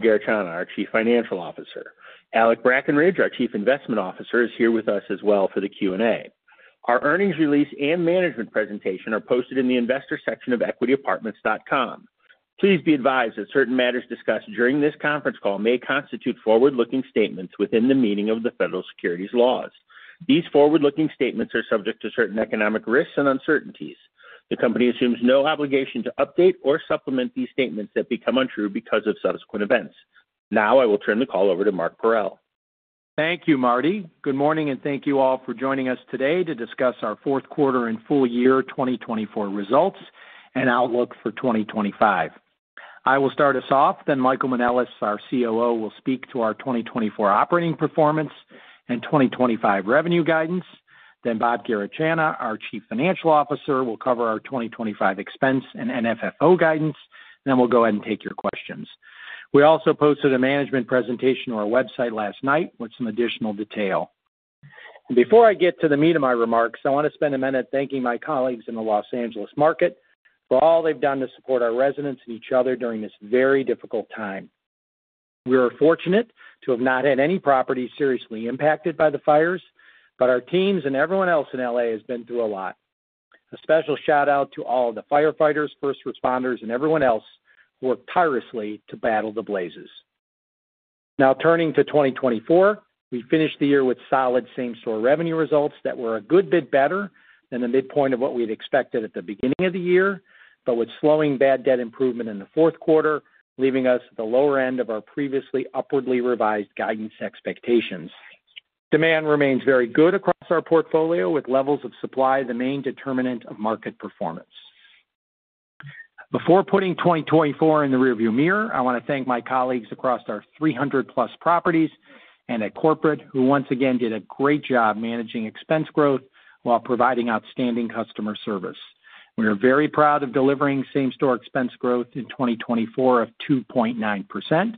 Garechana, our Chief Financial Officer. Alec Brackenridge, our Chief Investment Officer, is here with us as well for the Q&A. Our earnings release and management presentation are posted in the investor section of equityapartments.com. Please be advised that certain matters discussed during this conference call may constitute forward-looking statements within the meaning of the federal securities laws. These forward-looking statements are subject to certain economic risks and uncertainties. The company assumes no obligation to update or supplement these statements that become untrue because of subsequent events. Now, I will turn the call over to Mark Parrell. Thank you, Marty. Good morning, and thank you all for joining us today to discuss our fourth quarter and full year 2024 results and outlook for 2025. I will start us off. Then Michael Manelis, our COO, will speak to our 2024 operating performance and 2025 revenue guidance. Then Bob Garechana, our Chief Financial Officer, will cover our 2025 expense and NFFO guidance. Then we'll go ahead and take your questions. We also posted a management presentation on our website last night with some additional detail. Before I get to the meat of my remarks, I want to spend a minute thanking my colleagues in the Los Angeles market for all they've done to support our residents and each other during this very difficult time. We are fortunate to have not had any property seriously impacted by the fires, but our teams and everyone else in L.A. has been through a lot. A special shout-out to all the firefighters, first responders, and everyone else who worked tirelessly to battle the blazes. Now, turning to 2024, we finished the year with solid same-store revenue results that were a good bit better than the midpoint of what we had expected at the beginning of the year, but with slowing bad debt improvement in the fourth quarter leaving us at the lower end of our previously upwardly revised guidance expectations. Demand remains very good across our portfolio, with levels of supply the main determinant of market performance. Before putting 2024 in the rearview mirror, I want to thank my colleagues across our 300+ properties and at corporate, who once again did a great job managing expense growth while providing outstanding customer service. We are very proud of delivering same-store expense growth in 2024 of 2.9%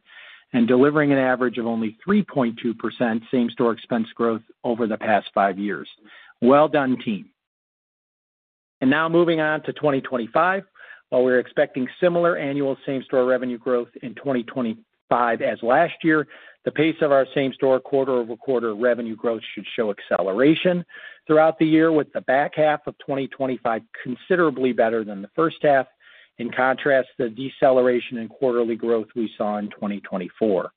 and delivering an average of only 3.2% same-store expense growth over the past five years. Well done, team. And now, moving on to 2025, while we're expecting similar annual same-store revenue growth in 2025 as last year, the pace of our same-store quarter-over-quarter revenue growth should show acceleration throughout the year, with the back half of 2025 considerably better than the first half, in contrast to the deceleration in quarterly growth we saw in 2024.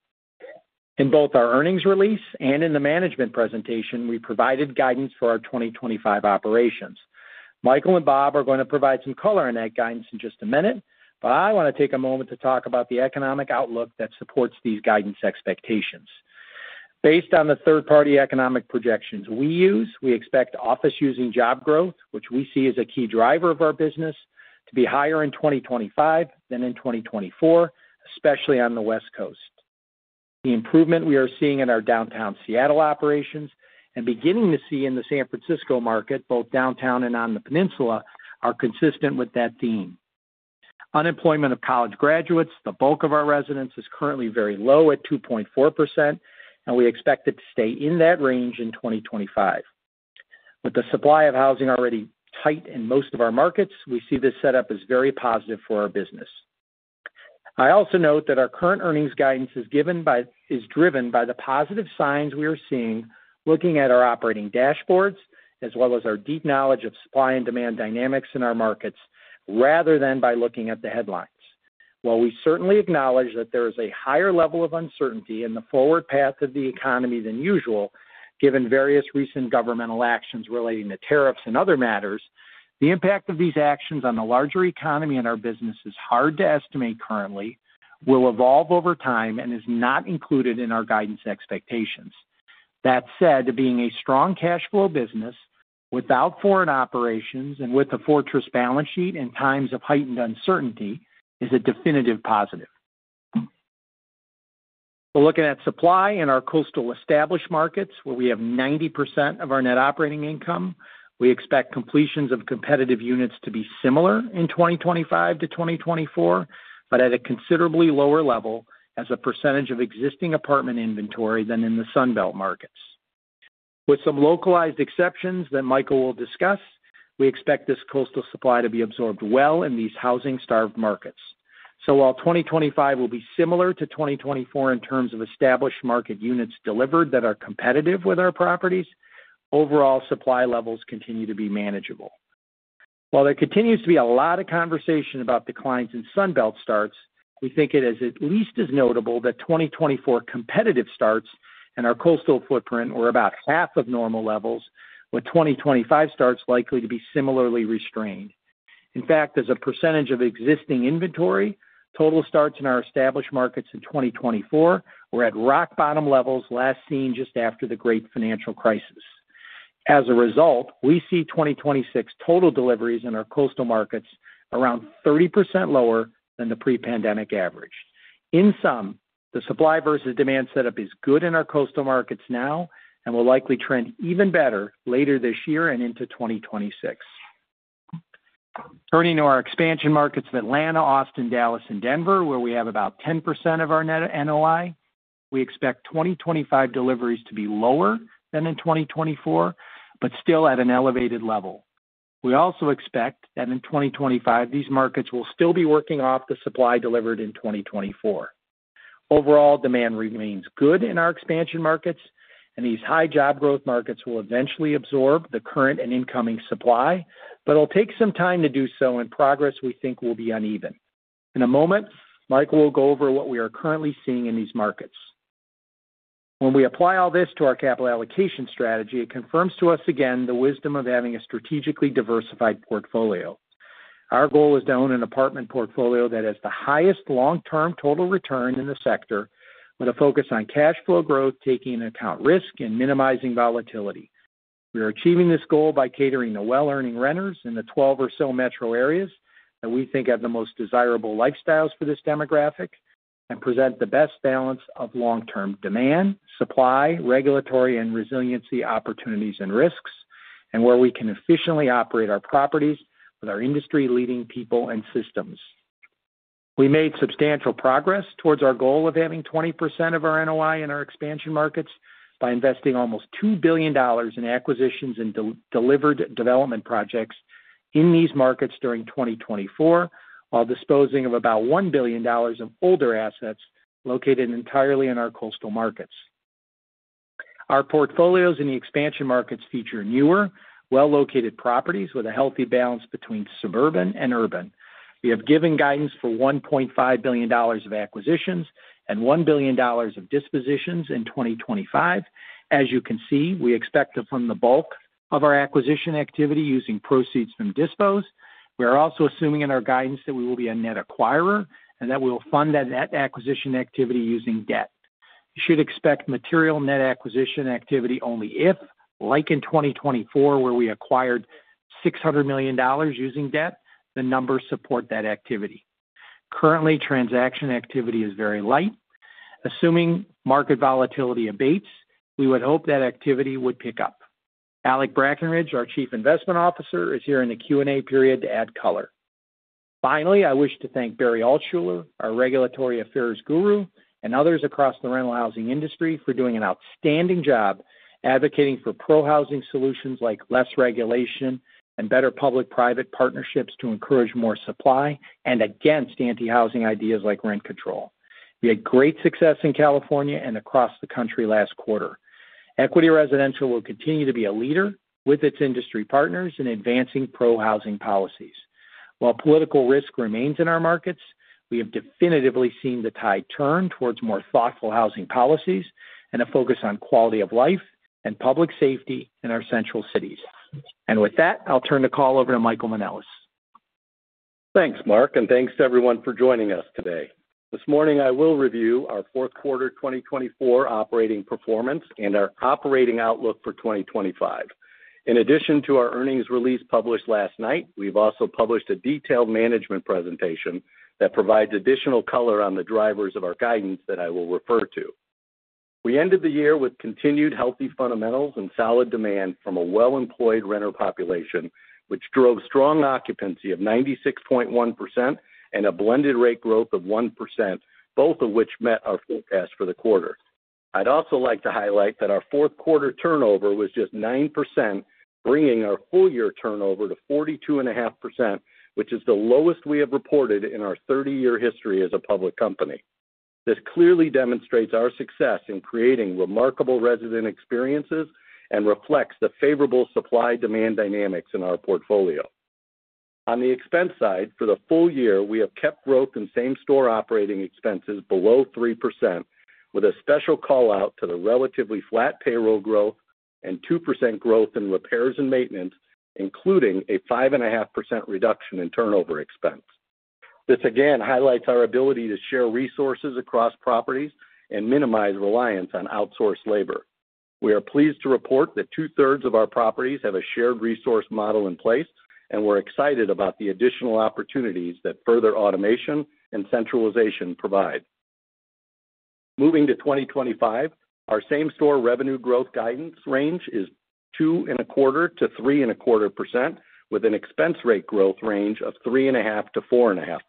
In both our earnings release and in the management presentation, we provided guidance for our 2025 operations. Michael and Bob are going to provide some color on that guidance in just a minute, but I want to take a moment to talk about the economic outlook that supports these guidance expectations. Based on the third-party economic projections we use, we expect office-using job growth, which we see as a key driver of our business, to be higher in 2025 than in 2024, especially on the West Coast. The improvement we are seeing in our downtown Seattle operations and beginning to see in the San Francisco market, both downtown and on the peninsula, are consistent with that theme. Unemployment of college graduates, the bulk of our residents, is currently very low at 2.4%, and we expect it to stay in that range in 2025. With the supply of housing already tight in most of our markets, we see this setup as very positive for our business. I also note that our current earnings guidance is driven by the positive signs we are seeing looking at our operating dashboards, as well as our deep knowledge of supply and demand dynamics in our markets, rather than by looking at the headlines. While we certainly acknowledge that there is a higher level of uncertainty in the forward path of the economy than usual, given various recent governmental actions relating to tariffs and other matters, the impact of these actions on the larger economy and our business is hard to estimate currently, will evolve over time, and is not included in our guidance expectations. That said, being a strong cash flow business without foreign operations and with a fortress balance sheet in times of heightened uncertainty is a definitive positive. We're looking at supply in our coastal established markets, where we have 90% of our net operating income. We expect completions of competitive units to be similar in 2025 to 2024, but at a considerably lower level as a percentage of existing apartment inventory than in the Sunbelt markets. With some localized exceptions that Michael will discuss, we expect this coastal supply to be absorbed well in these housing-starved markets. So while 2025 will be similar to 2024 in terms of established market units delivered that are competitive with our properties, overall supply levels continue to be manageable. While there continues to be a lot of conversation about declines in Sunbelt starts, we think it is at least as notable that 2024 competitive starts and our coastal footprint were about half of normal levels, with 2025 starts likely to be similarly restrained. In fact, as a percentage of existing inventory, total starts in our established markets in 2024 were at rock bottom levels last seen just after the great financial crisis. As a result, we see 2026 total deliveries in our coastal markets around 30% lower than the pre-pandemic average. In sum, the supply versus demand setup is good in our coastal markets now and will likely trend even better later this year and into 2026. Turning to our expansion markets of Atlanta, Austin, Dallas, and Denver, where we have about 10% of our net NOI, we expect 2025 deliveries to be lower than in 2024, but still at an elevated level. We also expect that in 2025, these markets will still be working off the supply delivered in 2024. Overall, demand remains good in our expansion markets, and these high job growth markets will eventually absorb the current and incoming supply, but it'll take some time to do so, and progress we think will be uneven. In a moment, Michael will go over what we are currently seeing in these markets. When we apply all this to our capital allocation strategy, it confirms to us again the wisdom of having a strategically diversified portfolio. Our goal is to own an apartment portfolio that has the highest long-term total return in the sector, with a focus on cash flow growth, taking into account risk and minimizing volatility. We are achieving this goal by catering to well-earning renters in the 12 or so metro areas that we think have the most desirable lifestyles for this demographic and present the best balance of long-term demand, supply, regulatory and resiliency opportunities and risks, and where we can efficiently operate our properties with our industry-leading people and systems. We made substantial progress towards our goal of having 20% of our NOI in our expansion markets by investing almost $2 billion in acquisitions and delivered development projects in these markets during 2024, while disposing of about $1 billion of older assets located entirely in our coastal markets. Our portfolios in the expansion markets feature newer, well-located properties with a healthy balance between suburban and urban. We have given guidance for $1.5 billion of acquisitions and $1 billion of dispositions in 2025. As you can see, we expect to fund the bulk of our acquisition activity using proceeds from dispositions. We are also assuming in our guidance that we will be a net acquirer and that we will fund that net acquisition activity using debt. You should expect material net acquisition activity only if, like in 2024, where we acquired $600 million using debt, the numbers support that activity. Currently, transaction activity is very light. Assuming market volatility abates, we would hope that activity would pick up. Alec Brackenridge, our Chief Investment Officer, is here in the Q&A period to add color. Finally, I wish to thank Barry Altshuler, our regulatory affairs guru, and others across the rental housing industry for doing an outstanding job advocating for pro-housing solutions like less regulation and better public-private partnerships to encourage more supply and against anti-housing ideas like rent control. We had great success in California and across the country last quarter. Equity Residential will continue to be a leader with its industry partners in advancing pro-housing policies. While political risk remains in our markets, we have definitively seen the tide turn towards more thoughtful housing policies and a focus on quality of life and public safety in our central cities, and with that, I'll turn the call over to Michael Manelis. Thanks, Mark, and thanks to everyone for joining us today. This morning, I will review our fourth quarter 2024 operating performance and our operating outlook for 2025. In addition to our earnings release published last night, we've also published a detailed management presentation that provides additional color on the drivers of our guidance that I will refer to. We ended the year with continued healthy fundamentals and solid demand from a well-employed renter population, which drove strong occupancy of 96.1% and a blended rate growth of 1%, both of which met our forecast for the quarter. I'd also like to highlight that our fourth quarter turnover was just 9%, bringing our full year turnover to 42.5%, which is the lowest we have reported in our 30-year history as a public company. This clearly demonstrates our success in creating remarkable resident experiences and reflects the favorable supply-demand dynamics in our portfolio. On the expense side, for the full year, we have kept growth in same-store operating expenses below 3%, with a special call-out to the relatively flat payroll growth and 2% growth in repairs and maintenance, including a 5.5% reduction in turnover expense. This, again, highlights our ability to share resources across properties and minimize reliance on outsourced labor. We are pleased to report that two-thirds of our properties have a shared resource model in place, and we're excited about the additional opportunities that further automation and centralization provide. Moving to 2025, our same-store revenue growth guidance range is 2.25%-3.25%, with an expense rate growth range of 3.5%-4.5%.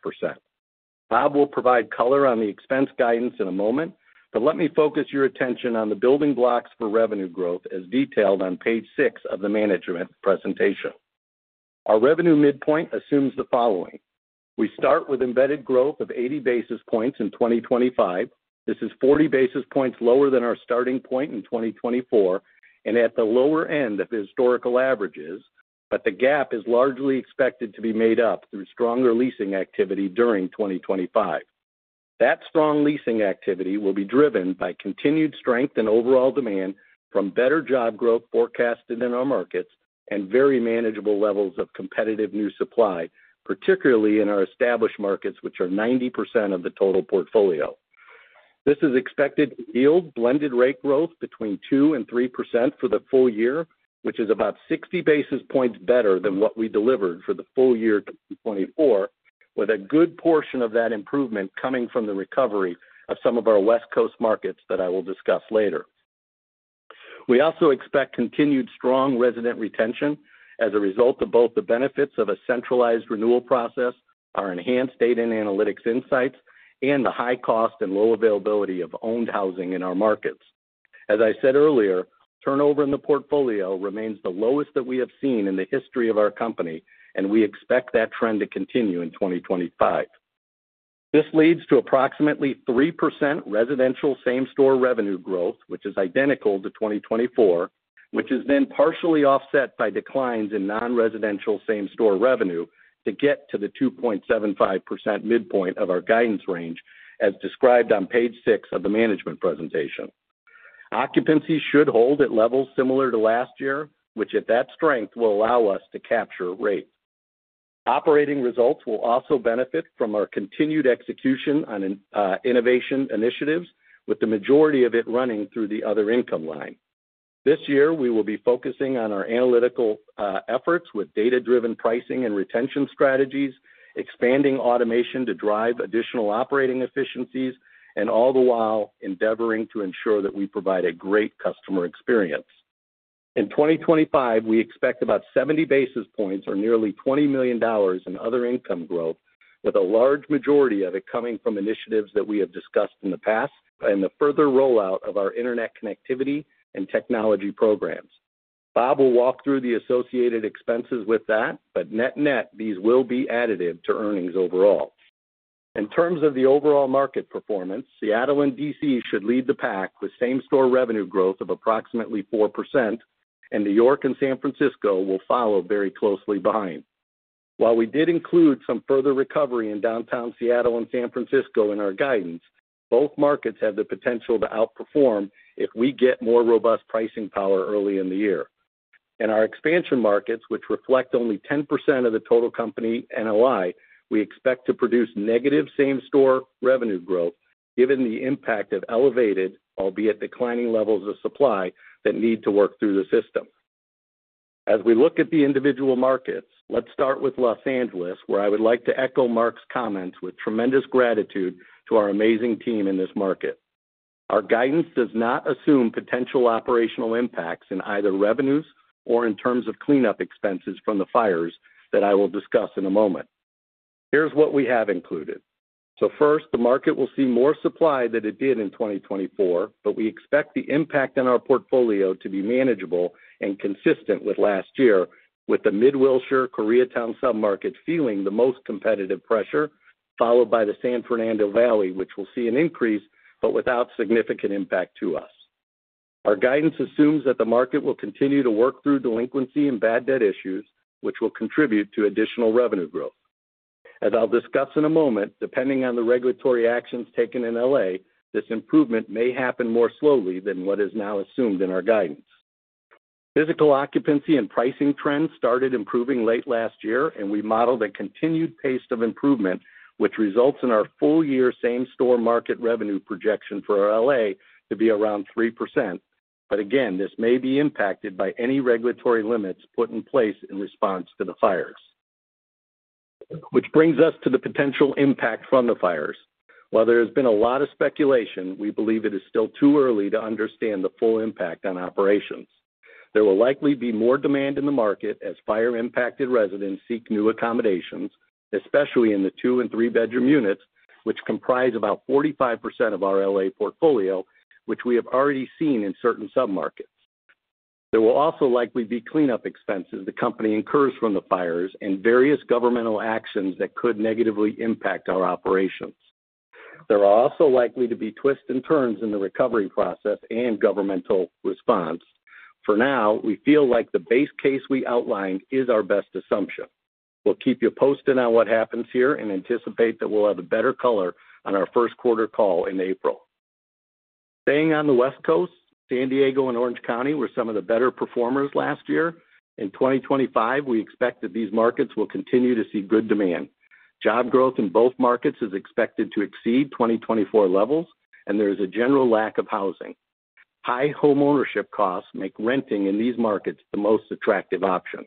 Bob will provide color on the expense guidance in a moment, but let me focus your attention on the building blocks for revenue growth as detailed on page six of the management presentation. Our revenue midpoint assumes the following. We start with embedded growth of 80 basis points in 2025. This is 40 basis points lower than our starting point in 2024 and at the lower end of historical averages, but the gap is largely expected to be made up through stronger leasing activity during 2025. That strong leasing activity will be driven by continued strength in overall demand from better job growth forecasted in our markets and very manageable levels of competitive new supply, particularly in our established markets, which are 90% of the total portfolio. This is expected to yield blended rate growth between 2% and 3% for the full year, which is about 60 basis points better than what we delivered for the full year 2024, with a good portion of that improvement coming from the recovery of some of our West Coast markets that I will discuss later. We also expect continued strong resident retention as a result of both the benefits of a centralized renewal process, our enhanced data and analytics insights, and the high cost and low availability of owned housing in our markets. As I said earlier, turnover in the portfolio remains the lowest that we have seen in the history of our company, and we expect that trend to continue in 2025. This leads to approximately 3% residential same-store revenue growth, which is identical to 2024, which is then partially offset by declines in non-residential same-store revenue to get to the 2.75% midpoint of our guidance range, as described on page 6 of the management presentation. Occupancy should hold at levels similar to last year, which, at that strength, will allow us to capture rate. Operating results will also benefit from our continued execution on innovation initiatives, with the majority of it running through the other income line. This year, we will be focusing on our analytical efforts with data-driven pricing and retention strategies, expanding automation to drive additional operating efficiencies, and all the while endeavoring to ensure that we provide a great customer experience. In 2025, we expect about 70 basis points or nearly $20 million in other income growth, with a large majority of it coming from initiatives that we have discussed in the past and the further rollout of our internet connectivity and technology programs. Bob will walk through the associated expenses with that, but net-net, these will be additive to earnings overall. In terms of the overall market performance, Seattle and D.C. Should lead the pack with same-store revenue growth of approximately 4%, and New York and San Francisco will follow very closely behind. While we did include some further recovery in downtown Seattle and San Francisco in our guidance, both markets have the potential to outperform if we get more robust pricing power early in the year. In our expansion markets, which reflect only 10% of the total company NOI, we expect to produce negative same-store revenue growth given the impact of elevated, albeit declining levels of supply that need to work through the system. As we look at the individual markets, let's start with Los Angeles, where I would like to echo Mark's comments with tremendous gratitude to our amazing team in this market. Our guidance does not assume potential operational impacts in either revenues or in terms of cleanup expenses from the fires that I will discuss in a moment. Here's what we have included. So first, the market will see more supply than it did in 2024, but we expect the impact on our portfolio to be manageable and consistent with last year, with the Mid-Wilshire/Koreatown submarket feeling the most competitive pressure, followed by the San Fernando Valley, which will see an increase but without significant impact to us. Our guidance assumes that the market will continue to work through delinquency and bad debt issues, which will contribute to additional revenue growth. As I'll discuss in a moment, depending on the regulatory actions taken in L.A., this improvement may happen more slowly than what is now assumed in our guidance. Physical occupancy and pricing trends started improving late last year, and we modeled a continued pace of improvement, which results in our full year same-store market revenue projection for L.A. to be around 3%. But again, this may be impacted by any regulatory limits put in place in response to the fires. Which brings us to the potential impact from the fires. While there has been a lot of speculation, we believe it is still too early to understand the full impact on operations. There will likely be more demand in the market as fire-impacted residents seek new accommodations, especially in the two- and three-bedroom units, which comprise about 45% of our L.A. portfolio, which we have already seen in certain submarkets. There will also likely be cleanup expenses the company incurs from the fires and various governmental actions that could negatively impact our operations. There are also likely to be twists and turns in the recovery process and governmental response. For now, we feel like the base case we outlined is our best assumption. We'll keep you posted on what happens here and anticipate that we'll have a better color on our first quarter call in April. Staying on the West Coast, San Diego and Orange County were some of the better performers last year. In 2025, we expect that these markets will continue to see good demand. Job growth in both markets is expected to exceed 2024 levels, and there is a general lack of housing. High homeownership costs make renting in these markets the most attractive option.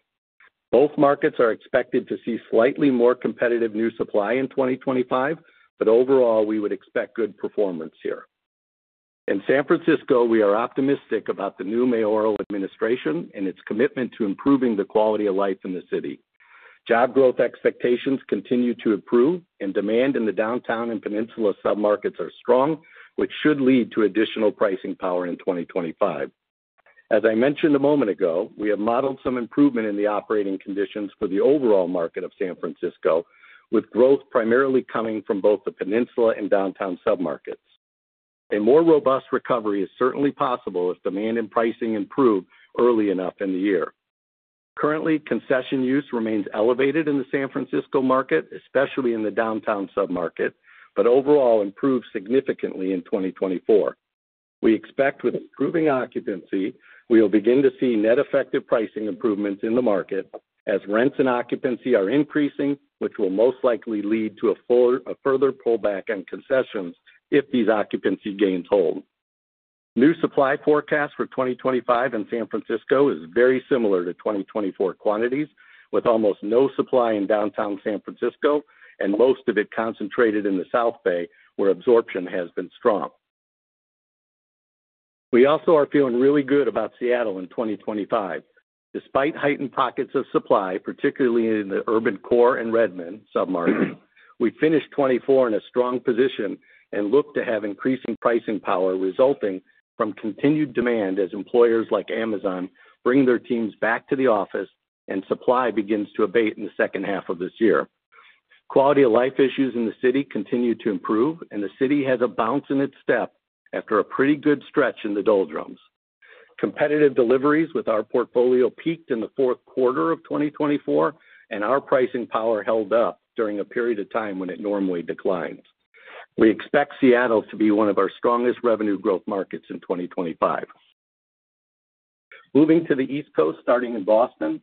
Both markets are expected to see slightly more competitive new supply in 2025, but overall, we would expect good performance here. In San Francisco, we are optimistic about the new mayoral administration and its commitment to improving the quality of life in the city. Job growth expectations continue to improve, and demand in the downtown and peninsula submarkets are strong, which should lead to additional pricing power in 2025. As I mentioned a moment ago, we have modeled some improvement in the operating conditions for the overall market of San Francisco, with growth primarily coming from both the peninsula and downtown submarkets. A more robust recovery is certainly possible if demand and pricing improve early enough in the year. Currently, concession use remains elevated in the San Francisco market, especially in the downtown submarket, but overall improved significantly in 2024. We expect with improving occupancy, we will begin to see net effective pricing improvements in the market as rents and occupancy are increasing, which will most likely lead to a further pullback on concessions if these occupancy gains hold. New supply forecast for 2025 in San Francisco is very similar to 2024 quantities, with almost no supply in downtown San Francisco and most of it concentrated in the South Bay, where absorption has been strong. We also are feeling really good about Seattle in 2025. Despite heightened pockets of supply, particularly in the urban core and Redmond submarkets, we finished 2024 in a strong position and look to have increasing pricing power resulting from continued demand as employers like Amazon bring their teams back to the office and supply begins to abate in the second half of this year. Quality of life issues in the city continue to improve, and the city has a bounce in its step after a pretty good stretch in the doldrums. Competitive deliveries with our portfolio peaked in the fourth quarter of 2024, and our pricing power held up during a period of time when it normally declines. We expect Seattle to be one of our strongest revenue growth markets in 2025. Moving to the East Coast, starting in Boston.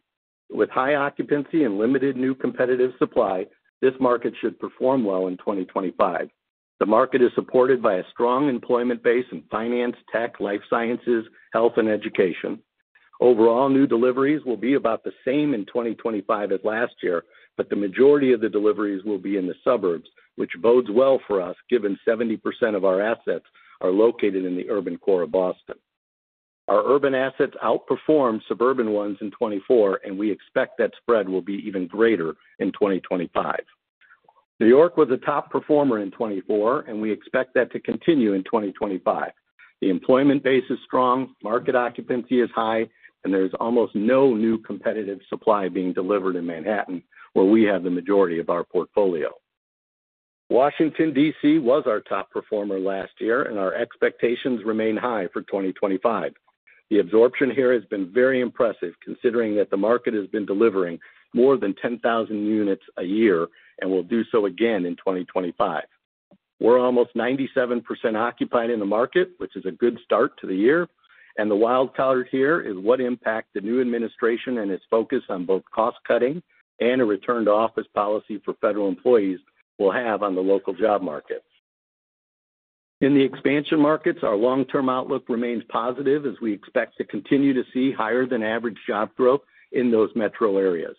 With high occupancy and limited new competitive supply, this market should perform well in 2025. The market is supported by a strong employment base in finance, tech, life sciences, health, and education. Overall, new deliveries will be about the same in 2025 as last year, but the majority of the deliveries will be in the suburbs, which bodes well for us given 70% of our assets are located in the urban core of Boston. Our urban assets outperformed suburban ones in 2024, and we expect that spread will be even greater in 2025. New York was a top performer in 2024, and we expect that to continue in 2025. The employment base is strong, market occupancy is high, and there is almost no new competitive supply being delivered in Manhattan, where we have the majority of our portfolio. Washington, D.C. was our top performer last year, and our expectations remain high for 2025. The absorption here has been very impressive considering that the market has been delivering more than 10,000 units a year and will do so again in 2025. We're almost 97% occupied in the market, which is a good start to the year, and the wildcard here is what impact the new administration and its focus on both cost-cutting and a return-to-office policy for federal employees will have on the local job market. In the expansion markets, our long-term outlook remains positive as we expect to continue to see higher-than-average job growth in those metro areas,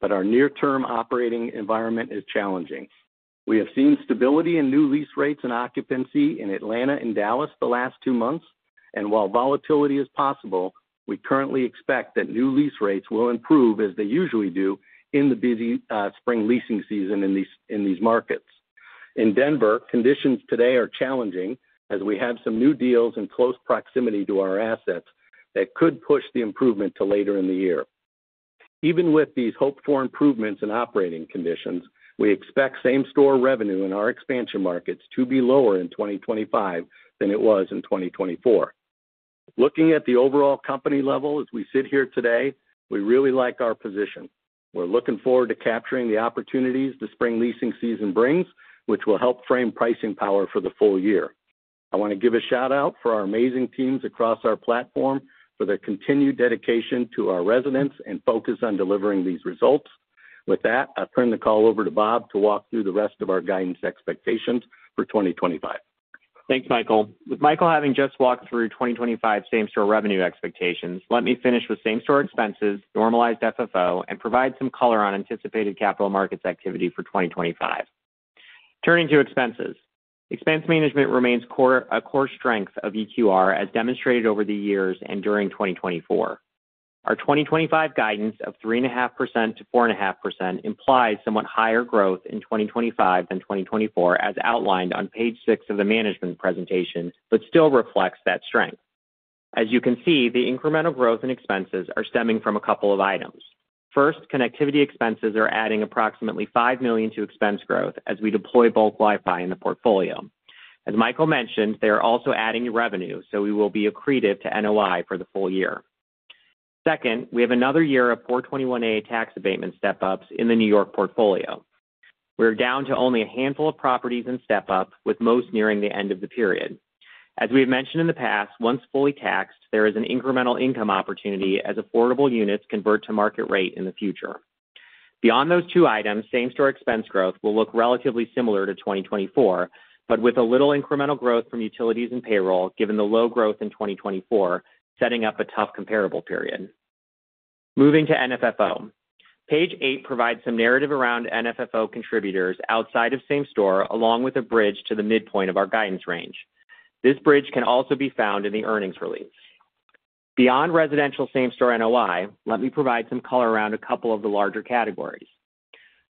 but our near-term operating environment is challenging. We have seen stability in new lease rates and occupancy in Atlanta and Dallas the last two months, and while volatility is possible, we currently expect that new lease rates will improve as they usually do in the busy spring leasing season in these markets. In Denver, conditions today are challenging as we have some new deals in close proximity to our assets that could push the improvement to later in the year. Even with these hopeful improvements in operating conditions, we expect same-store revenue in our expansion markets to be lower in 2025 than it was in 2024. Looking at the overall company level as we sit here today, we really like our position. We're looking forward to capturing the opportunities the spring leasing season brings, which will help frame pricing power for the full year. I want to give a shout-out for our amazing teams across our platform for their continued dedication to our residents and focus on delivering these results. With that, I'll turn the call over to Bob to walk through the rest of our guidance expectations for 2025. Thanks, Michael. With Michael having just walked through 2025 same-store revenue expectations, let me finish with same-store expenses, normalized FFO, and provide some color on anticipated capital markets activity for 2025. Turning to expenses, expense management remains a core strength of EQR as demonstrated over the years and during 2024. Our 2025 guidance of 3.5%-4.5% implies somewhat higher growth in 2025 than 2024 as outlined on page six of the management presentation, but still reflects that strength. As you can see, the incremental growth in expenses are stemming from a couple of items. First, connectivity expenses are adding approximately $5 million to expense growth as we deploy bulk Wi-Fi in the portfolio. As Michael mentioned, they are also adding revenue, so we will be accretive to NOI for the full year. Second, we have another year of 421-a tax abatement step-ups in the New York portfolio. We're down to only a handful of properties in step-up, with most nearing the end of the period. As we've mentioned in the past, once fully taxed, there is an incremental income opportunity as affordable units convert to market rate in the future. Beyond those two items, same-store expense growth will look relatively similar to 2024, but with a little incremental growth from utilities and payroll given the low growth in 2024 setting up a tough comparable period. Moving to NFFO. Page eight provides some narrative around NFFO contributors outside of same-store along with a bridge to the midpoint of our guidance range. This bridge can also be found in the earnings release. Beyond residential same-store NOI, let me provide some color around a couple of the larger categories.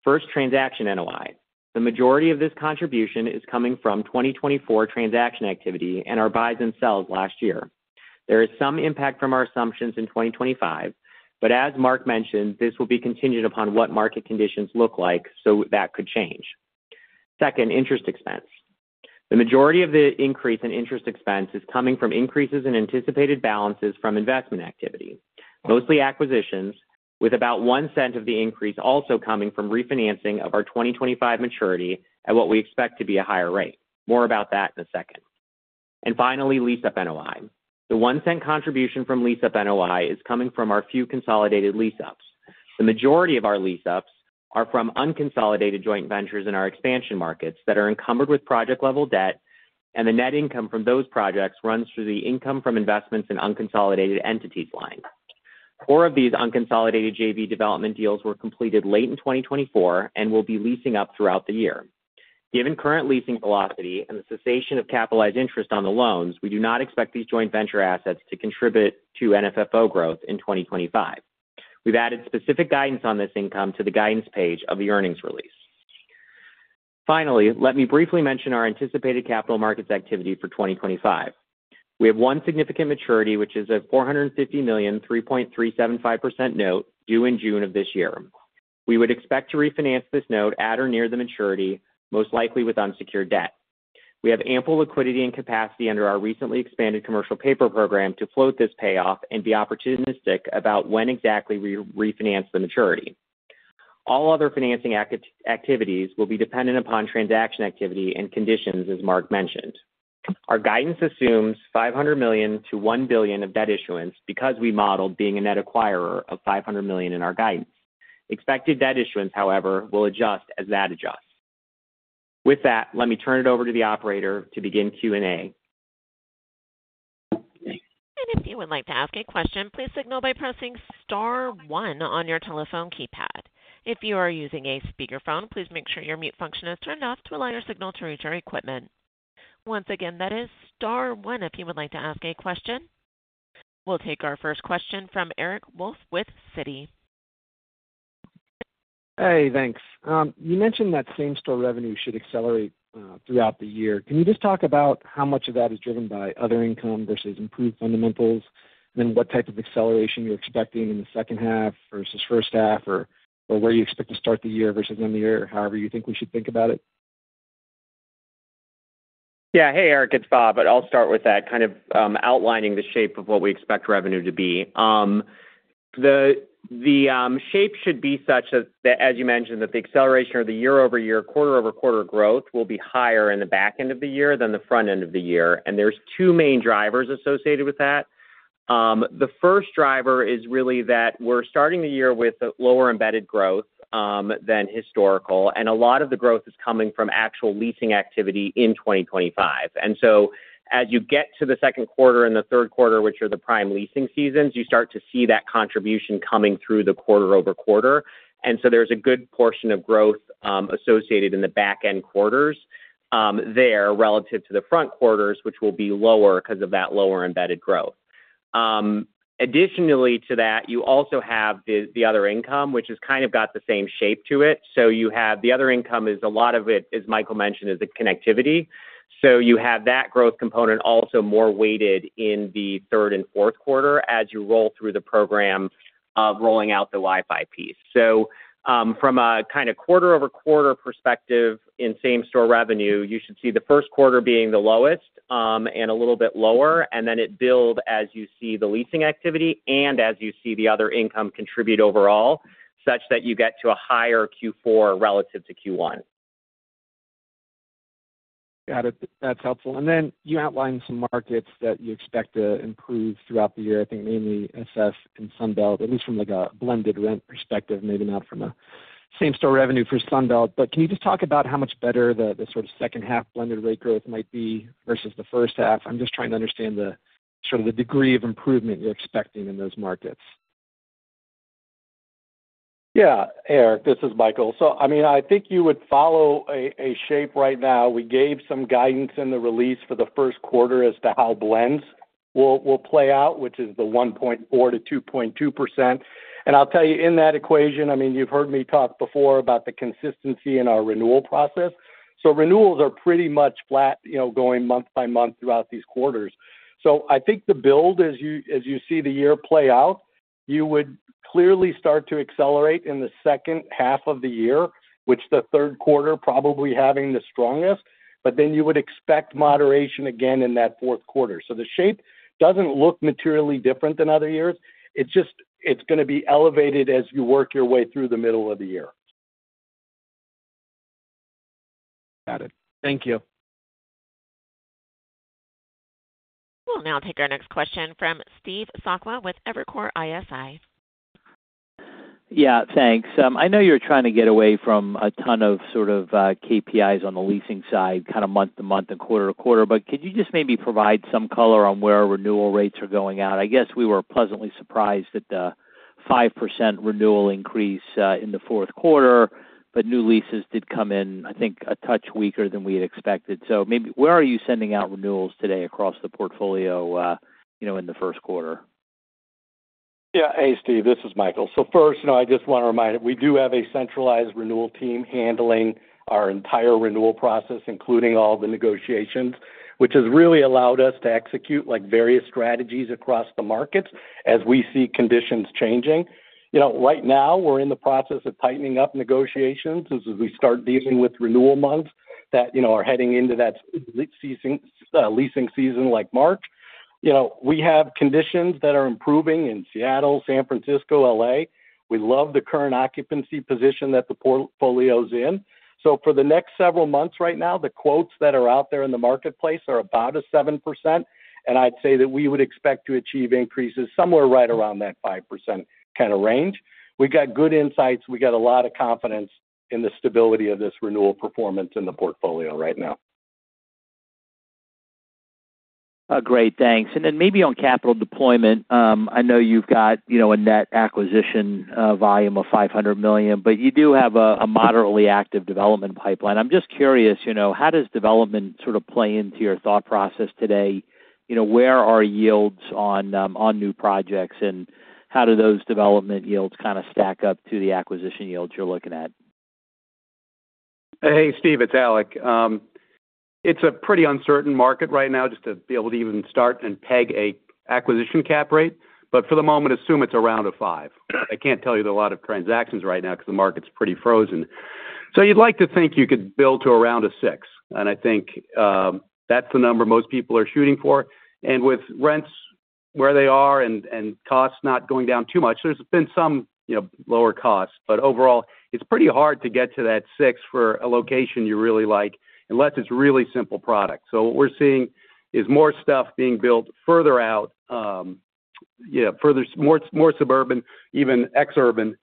First, transaction NOI. The majority of this contribution is coming from 2024 transaction activity and our buys and sells last year. There is some impact from our assumptions in 2025, but as Mark mentioned, this will be contingent upon what market conditions look like, so that could change. Second, interest expense. The majority of the increase in interest expense is coming from increases in anticipated balances from investment activity, mostly acquisitions, with about $0.01 of the increase also coming from refinancing of our 2025 maturity at what we expect to be a higher rate. More about that in a second. And finally, lease-up NOI. The $0.01 contribution from lease-up NOI is coming from our few consolidated lease-ups. The majority of our lease-ups are from unconsolidated joint ventures in our expansion markets that are encumbered with project-level debt, and the net income from those projects runs through the income from investments in unconsolidated entities line. Four of these unconsolidated JV development deals were completed late in 2024 and will be leasing up throughout the year. Given current leasing velocity and the cessation of capitalized interest on the loans, we do not expect these joint venture assets to contribute to NFFO growth in 2025. We've added specific guidance on this income to the guidance page of the earnings release. Finally, let me briefly mention our anticipated capital markets activity for 2025. We have one significant maturity, which is a $450 million, 3.375% note due in June of this year. We would expect to refinance this note at or near the maturity, most likely with unsecured debt. We have ample liquidity and capacity under our recently expanded commercial paper program to float this payoff and be opportunistic about when exactly we refinance the maturity. All other financing activities will be dependent upon transaction activity and conditions, as Mark mentioned. Our guidance assumes $500 million-$1 billion of debt issuance because we modeled being a net acquirer of $500 million in our guidance. Expected debt issuance, however, will adjust as that adjusts. With that, let me turn it over to the operator to begin Q&A. And if you would like to ask a question, please signal by pressing Star 1 on your telephone keypad. If you are using a speakerphone, please make sure your mute function is turned off to allow your signal to reach our equipment. Once again, that is Star 1 if you would like to ask a question. We'll take our first question from Eric Wolfe with Citi. Hey, thanks. You mentioned that same-store revenue should accelerate throughout the year. Can you just talk about how much of that is driven by other income versus improved fundamentals and then what type of acceleration you're expecting in the second half versus first half, or where you expect to start the year versus end the year, however you think we should think about it? Yeah. Hey, Eric. It's Bob, but I'll start with that, kind of outlining the shape of what we expect revenue to be. The shape should be such that, as you mentioned, that the acceleration of the year-over-year, quarter-over-quarter growth will be higher in the back end of the year than the front end of the year, and there's two main drivers associated with that. The first driver is really that we're starting the year with lower embedded growth than historical, and a lot of the growth is coming from actual leasing activity in 2025. And so as you get to the second quarter and the third quarter, which are the prime leasing seasons, you start to see that contribution coming through the quarter-over-quarter, and so there's a good portion of growth associated in the back-end quarters there relative to the front quarters, which will be lower because of that lower embedded growth. Additionally to that, you also have the other income, which has kind of got the same shape to it. So you have the other income is a lot of it, as Michael mentioned, is the connectivity. So you have that growth component also more weighted in the third and fourth quarter as you roll through the program of rolling out the Wi-Fi piece. So from a kind of quarter-over-quarter perspective in same-store revenue, you should see the first quarter being the lowest and a little bit lower, and then it builds as you see the leasing activity and as you see the other income contribute overall such that you get to a higher Q4 relative to Q1. Got it. That's helpful. And then you outlined some markets that you expect to improve throughout the year, I think mainly SF and Sunbelt, at least from a blended rent perspective, maybe not from a same-store revenue for Sunbelt. But can you just talk about how much better the sort of second half blended rate growth might be versus the first half? I'm just trying to understand the sort of degree of improvement you're expecting in those markets. Yeah. Eric, this is Michael. So I mean, I think you would follow a shape right now. We gave some guidance in the release for the first quarter as to how blends will play out, which is the 1.4%-2.2%. And I'll tell you, in that equation, I mean, you've heard me talk before about the consistency in our renewal process. So renewals are pretty much flat, going month by month throughout these quarters. So I think the build, as you see the year play out, you would clearly start to accelerate in the second half of the year, which the third quarter probably having the strongest, but then you would expect moderation again in that fourth quarter. So the shape doesn't look materially different than other years. It's just it's going to be elevated as you work your way through the middle of the year. Got it. Thank you. Well, now we'll take our next question from Steve Sakwa with Evercore ISI. Yeah. Thanks. I know you're trying to get away from a ton of sort of KPIs on the leasing side, kind of month to month and quarter to quarter, but could you just maybe provide some color on where renewal rates are going out? I guess we were pleasantly surprised at the 5% renewal increase in the fourth quarter, but new leases did come in, I think, a touch weaker than we had expected. So maybe where are you sending out renewals today across the portfolio in the first quarter? Yeah. Hey, Steve. This is Michael. So first, I just want to remind you, we do have a centralized renewal team handling our entire renewal process, including all the negotiations, which has really allowed us to execute various strategies across the markets as we see conditions changing. Right now, we're in the process of tightening up negotiations as we start dealing with renewal months that are heading into that leasing season like March. We have conditions that are improving in Seattle, San Francisco, L.A. We love the current occupancy position that the portfolio is in. So for the next several months right now, the quotes that are out there in the marketplace are about 7%, and I'd say that we would expect to achieve increases somewhere right around that 5% kind of range. We've got good insights. We've got a lot of confidence in the stability of this renewal performance in the portfolio right now. Great. Thanks. And then maybe on capital deployment, I know you've got a net acquisition volume of $500 million, but you do have a moderately active development pipeline. I'm just curious, how does development sort of play into your thought process today? Where are yields on new projects, and how do those development yields kind of stack up to the acquisition yields you're looking at? Hey, Steve. It's Alec. It's a pretty uncertain market right now just to be able to even start and peg a acquisition cap rate, but for the moment, assume it's around a five. I can't tell you there are a lot of transactions right now because the market's pretty frozen. You'd like to think you could build to around a six, and I think that's the number most people are shooting for. With rents where they are and costs not going down too much, there's been some lower costs, but overall, it's pretty hard to get to that six for a location you really like unless it's really simple products. So what we're seeing is more stuff being built further out, more suburban, even exurban,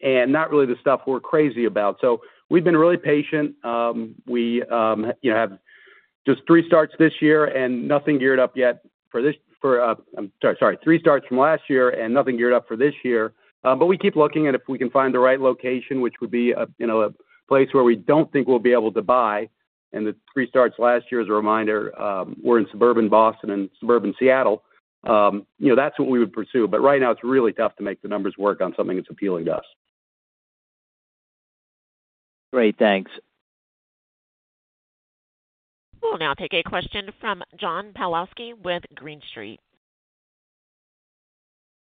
and not really the stuff we're crazy about. So we've been really patient. We have just three starts this year and nothing geared up yet for this - sorry, three starts from last year and nothing geared up for this year. But we keep looking, and if we can find the right location, which would be a place where we don't think we'll be able to buy - and the three starts last year as a reminder, we're in suburban Boston and suburban Seattle - that's what we would pursue. But right now, it's really tough to make the numbers work on something that's appealing to us. Great. Thanks. Well, now we'll take a question from John Pawlowski with Green Street.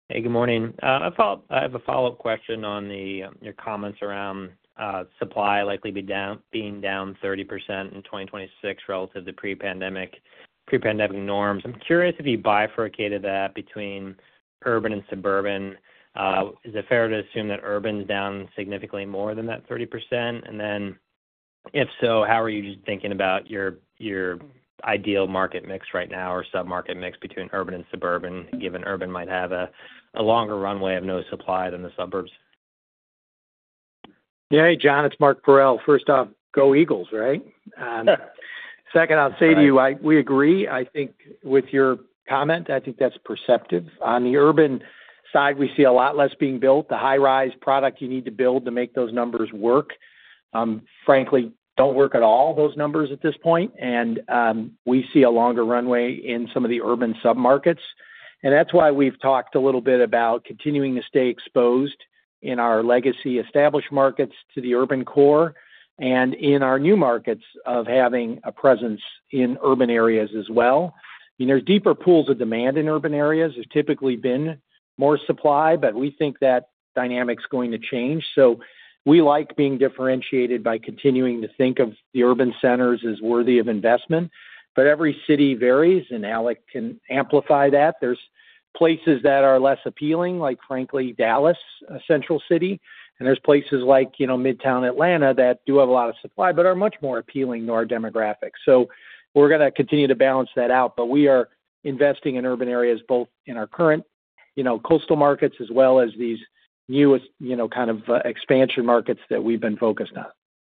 Hey, good morning. I have a follow-up question on your comments around supply likely being down 30% in 2026 relative to pre-pandemic norms. I'm curious if you bifurcated that between urban and suburban. Is it fair to assume that urban's down significantly more than that 30%? Then if so, how are you just thinking about your ideal market mix right now or sub-market mix between urban and suburban, given urban might have a longer runway of no supply than the suburbs? Yeah. Hey, John, it's Mark Parrell. First off, go Eagles, right? Second, I'll say to you, we agree. I think with your comment, I think that's perceptive. On the urban side, we see a lot less being built. The high-rise product you need to build to make those numbers work, frankly, don't work at all, those numbers at this point, and we see a longer runway in some of the urban sub-markets. And that's why we've talked a little bit about continuing to stay exposed in our legacy established markets to the urban core and in our new markets of having a presence in urban areas as well. There's deeper pools of demand in urban areas. There's typically been more supply, but we think that dynamic's going to change. So we like being differentiated by continuing to think of the urban centers as worthy of investment, but every city varies, and Alec can amplify that. There's places that are less appealing, like frankly, Dallas, a central city, and there's places like Midtown Atlanta that do have a lot of supply but are much more appealing to our demographics. So we're going to continue to balance that out, but we are investing in urban areas both in our current coastal markets as well as these newest kind of expansion markets that we've been focused on.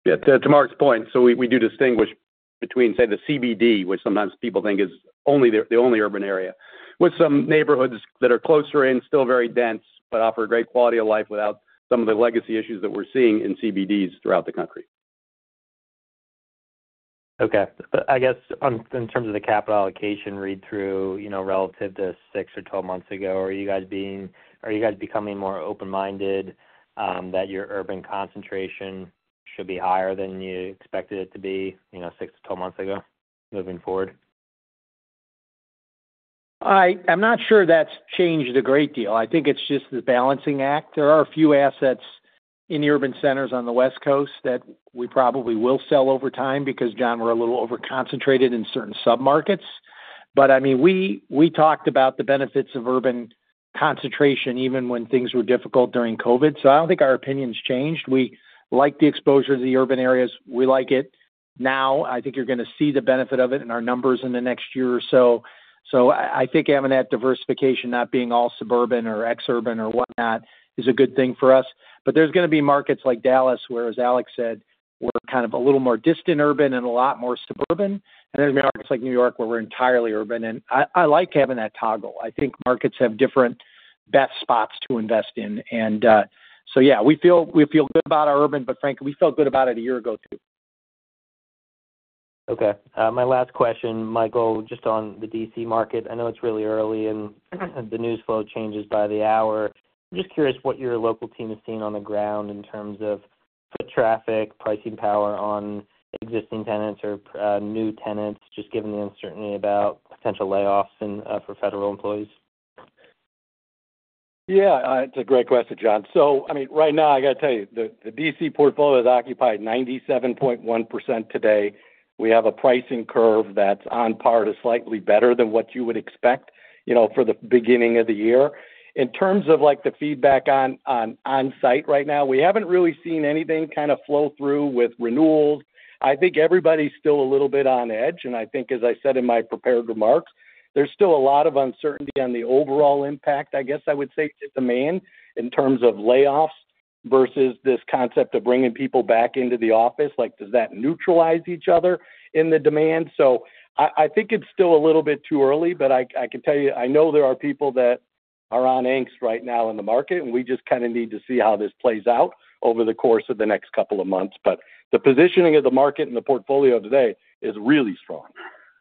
Yeah. To Mark's point, so we do distinguish between, say, the CBD, which sometimes people think is the only urban area, with some neighborhoods that are closer in, still very dense, but offer great quality of life without some of the legacy issues that we're seeing in CBDs throughout the country. Okay. I guess in terms of the capital allocation read-through relative to six or 12 months ago, are you guys becoming more open-minded that your urban concentration should be higher than you expected it to be six to 12 months ago moving forward? I'm not sure that's changed a great deal. I think it's just the balancing act. There are a few assets in the urban centers on the West Coast that we probably will sell over time because, John, we're a little over-concentrated in certain sub-markets. But I mean, we talked about the benefits of urban concentration even when things were difficult during COVID, so I don't think our opinion's changed. We like the exposure to the urban areas. We like it now. I think you're going to see the benefit of it in our numbers in the next year or so. So I think having that diversification, not being all suburban or exurban or whatnot, is a good thing for us. But there's going to be markets like Dallas, as Alec said, we're kind of a little more distant urban and a lot more suburban, and there's markets like New York where we're entirely urban. And I like having that toggle. I think markets have different best spots to invest in, and so yeah, we feel good about our urban, but frankly, we felt good about it a year ago too. Okay. My last question, Michael, just on the D.C. market. I know it's really early, and the news flow changes by the hour. I'm just curious what your local team is seeing on the ground in terms of foot traffic, pricing power on existing tenants or new tenants, just given the uncertainty about potential layoffs for federal employees. Yeah. It's a great question, John, so I mean, right now, I got to tell you, the D.C. portfolio is occupied 97.1% today. We have a pricing curve that's on par to slightly better than what you would expect for the beginning of the year. In terms of the feedback on site right now, we haven't really seen anything kind of flow through with renewals. I think everybody's still a little bit on edge, and I think, as I said in my prepared remarks, there's still a lot of uncertainty on the overall impact, I guess I would say, to demand in terms of layoffs versus this concept of bringing people back into the office. Does that neutralize each other in the demand? So I think it's still a little bit too early, but I can tell you, I know there are people that are on edge right now in the market, and we just kind of need to see how this plays out over the course of the next couple of months. But the positioning of the market and the portfolio today is really strong.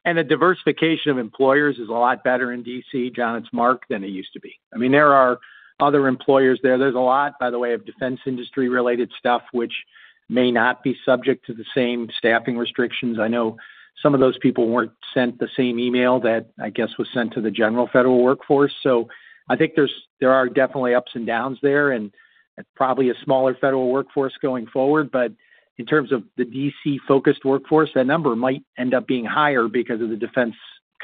The diversification of employers is a lot better in D.C., John. It's markedly better than it used to be. I mean, there are other employers there. There's a lot, by the way, of defense industry-related stuff, which may not be subject to the same staffing restrictions. I know some of those people weren't sent the same email that I guess was sent to the general federal workforce. So I think there are definitely ups and downs there, and probably a smaller federal workforce going forward. But in terms of the D.C.-focused workforce, that number might end up being higher because of the defense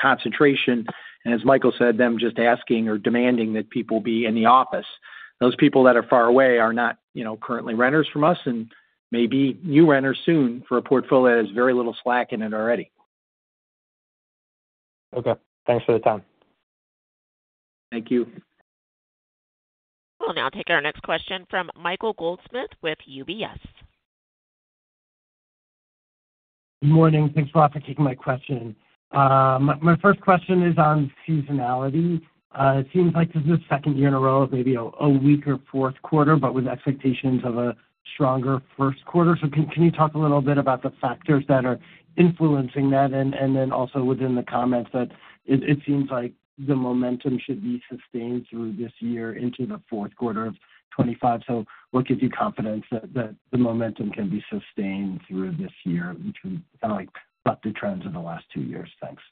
concentration. And as Michael said, them just asking or demanding that people be in the office. Those people that are far away are not currently renters from us and may be new renters soon for a portfolio that has very little slack in it already. Okay. Thanks for the time. Thank you. Well, now we'll take our next question from Michael Goldsmith with UBS. Good morning. Thanks a lot for taking my question. My first question is on seasonality. It seems like this is the second year in a row of maybe a weaker fourth quarter, but with expectations of a stronger first quarter. So can you talk a little bit about the factors that are influencing that? And then also within the comments that it seems like the momentum should be sustained through this year into the fourth quarter of 2025. So what gives you confidence that the momentum can be sustained through this year in kind of like the trends of the last two years? Thanks.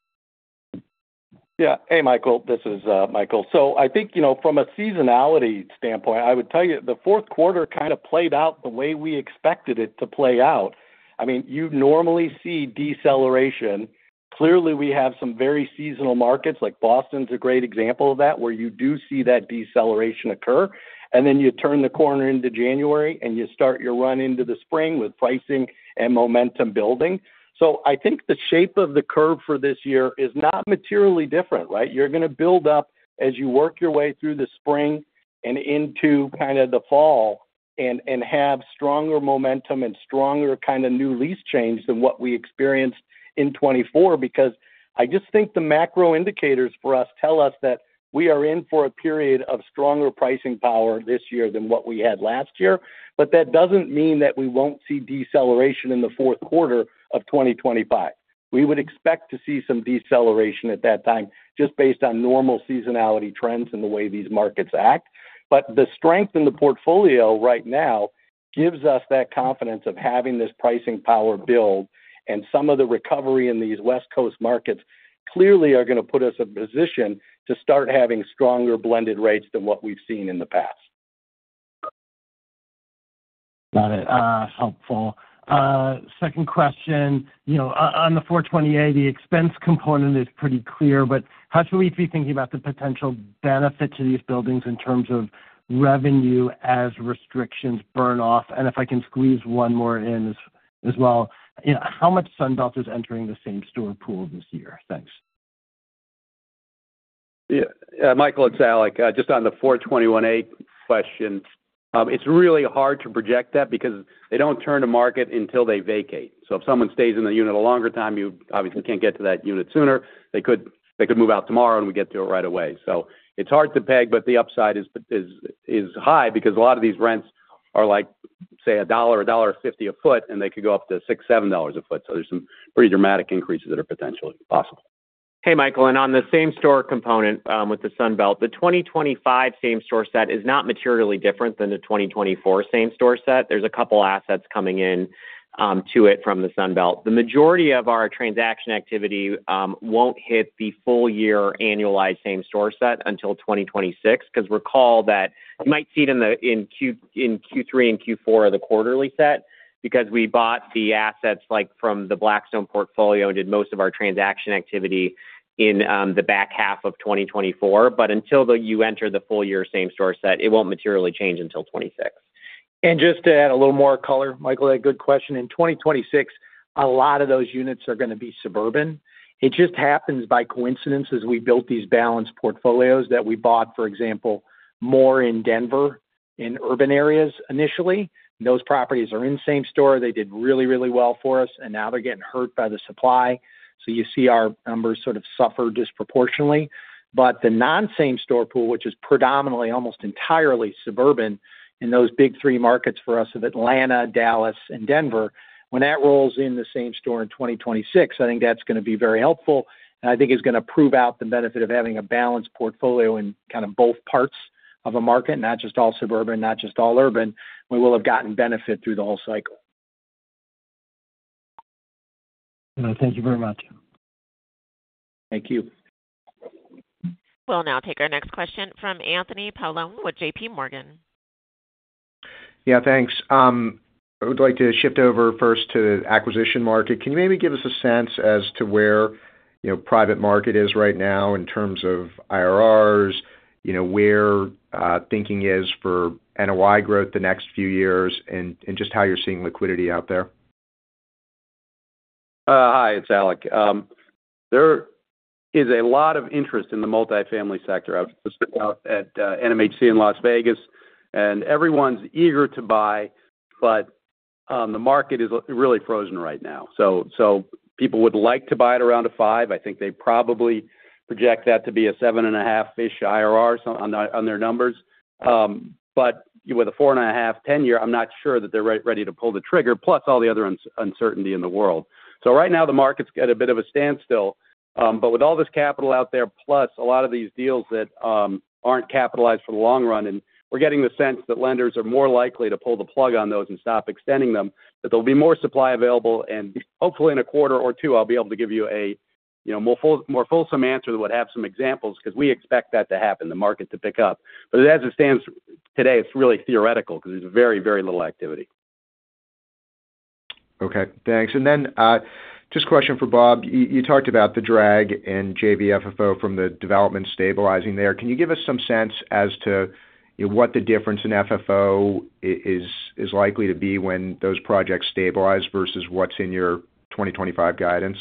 Yeah. Hey, Michael. This is Michael. So I think from a seasonality standpoint, I would tell you the fourth quarter kind of played out the way we expected it to play out. I mean, you normally see deceleration. Clearly, we have some very seasonal markets like Boston's a great example of that where you do see that deceleration occur. And then you turn the corner into January and you start your run into the spring with pricing and momentum building. So I think the shape of the curve for this year is not materially different, right? You're going to build up as you work your way through the spring and into kind of the fall and have stronger momentum and stronger kind of new lease change than what we experienced in 2024 because I just think the macro indicators for us tell us that we are in for a period of stronger pricing power this year than what we had last year. But that doesn't mean that we won't see deceleration in the fourth quarter of 2025. We would expect to see some deceleration at that time just based on normal seasonality trends and the way these markets act. But the strength in the portfolio right now gives us that confidence of having this pricing power build, and some of the recovery in these West Coast markets clearly are going to put us in a position to start having stronger blended rates than what we've seen in the past. Got it. Helpful. Second question. On the 421-a, the expense component is pretty clear, but how should we be thinking about the potential benefit to these buildings in terms of revenue as restrictions burn off? And if I can squeeze one more in as well, how much Sunbelt is entering the same-store pool this year? Thanks. Yeah. Michael, it's Alec. Just on the 421-a question, it's really hard to project that because they don't turn to market until they vacate. So if someone stays in the unit a longer time, you obviously can't get to that unit sooner. They could move out tomorrow and we get to it right away. So it's hard to peg, but the upside is high because a lot of these rents are like, say, $1, $1.50 a foot, and they could go up to $6-$7 a foot. So there's some pretty dramatic increases that are potentially possible. Hey, Michael. And on the same store component with the Sunbelt, the 2025 same store set is not materially different than the 2024 same store set. There's a couple of assets coming into it from the Sunbelt. The majority of our transaction activity won't hit the full-year annualized same store set until 2026 because recall that you might see it in Q3 and Q4 of the quarterly set because we bought the assets from the Blackstone portfolio and did most of our transaction activity in the back half of 2024. But until you enter the full-year same-store set, it won't materially change until 2026. And just to add a little more color, Michael, that's a good question. In 2026, a lot of those units are going to be suburban. It just happens by coincidence as we built these balanced portfolios that we bought, for example, more in Denver in urban areas initially. Those properties are in the same-store. They did really, really well for us, and now they're getting hurt by the supply. So you see our numbers sort of suffer disproportionately. But the non-same-store pool, which is predominantly almost entirely suburban in those big three markets for us of Atlanta, Dallas, and Denver, when that rolls in the same-store in 2026, I think that's going to be very helpful. And I think it's going to prove out the benefit of having a balanced portfolio in kind of both parts of a market, not just all suburban, not just all urban. We will have gotten benefit through the whole cycle. Thank you very much. Thank you. Well, now we'll take our next question from Anthony Paolone with JPMorgan. Yeah. Thanks. I would like to shift over first to the acquisition market. Can you maybe give us a sense as to where private market is right now in terms of IRRs, where thinking is for NOI growth the next few years, and just how you're seeing liquidity out there? Hi. It's Alec. There is a lot of interest in the multifamily sector out at NMHC in Las Vegas, and everyone's eager to buy, but the market is really frozen right now. So people would like to buy at around a five. I think they probably project that to be a seven and a half-ish IRR on their numbers. But with a four and a half, 10-year, I'm not sure that they're ready to pull the trigger, plus all the other uncertainty in the world. So right now, the market's at a bit of a standstill, but with all this capital out there, plus a lot of these deals that aren't capitalized for the long run, and we're getting the sense that lenders are more likely to pull the plug on those and stop extending them, that there'll be more supply available. And hopefully, in a quarter or two, I'll be able to give you a more fulsome answer that would have some examples because we expect that to happen, the market to pick up. But as it stands today, it's really theoretical because there's very, very little activity. Okay. Thanks. And then just a question for Bob. You talked about the drag in JV FFO from the development stabilizing there. Can you give us some sense as to what the difference in FFO is likely to be when those projects stabilize versus what's in your 2025 guidance?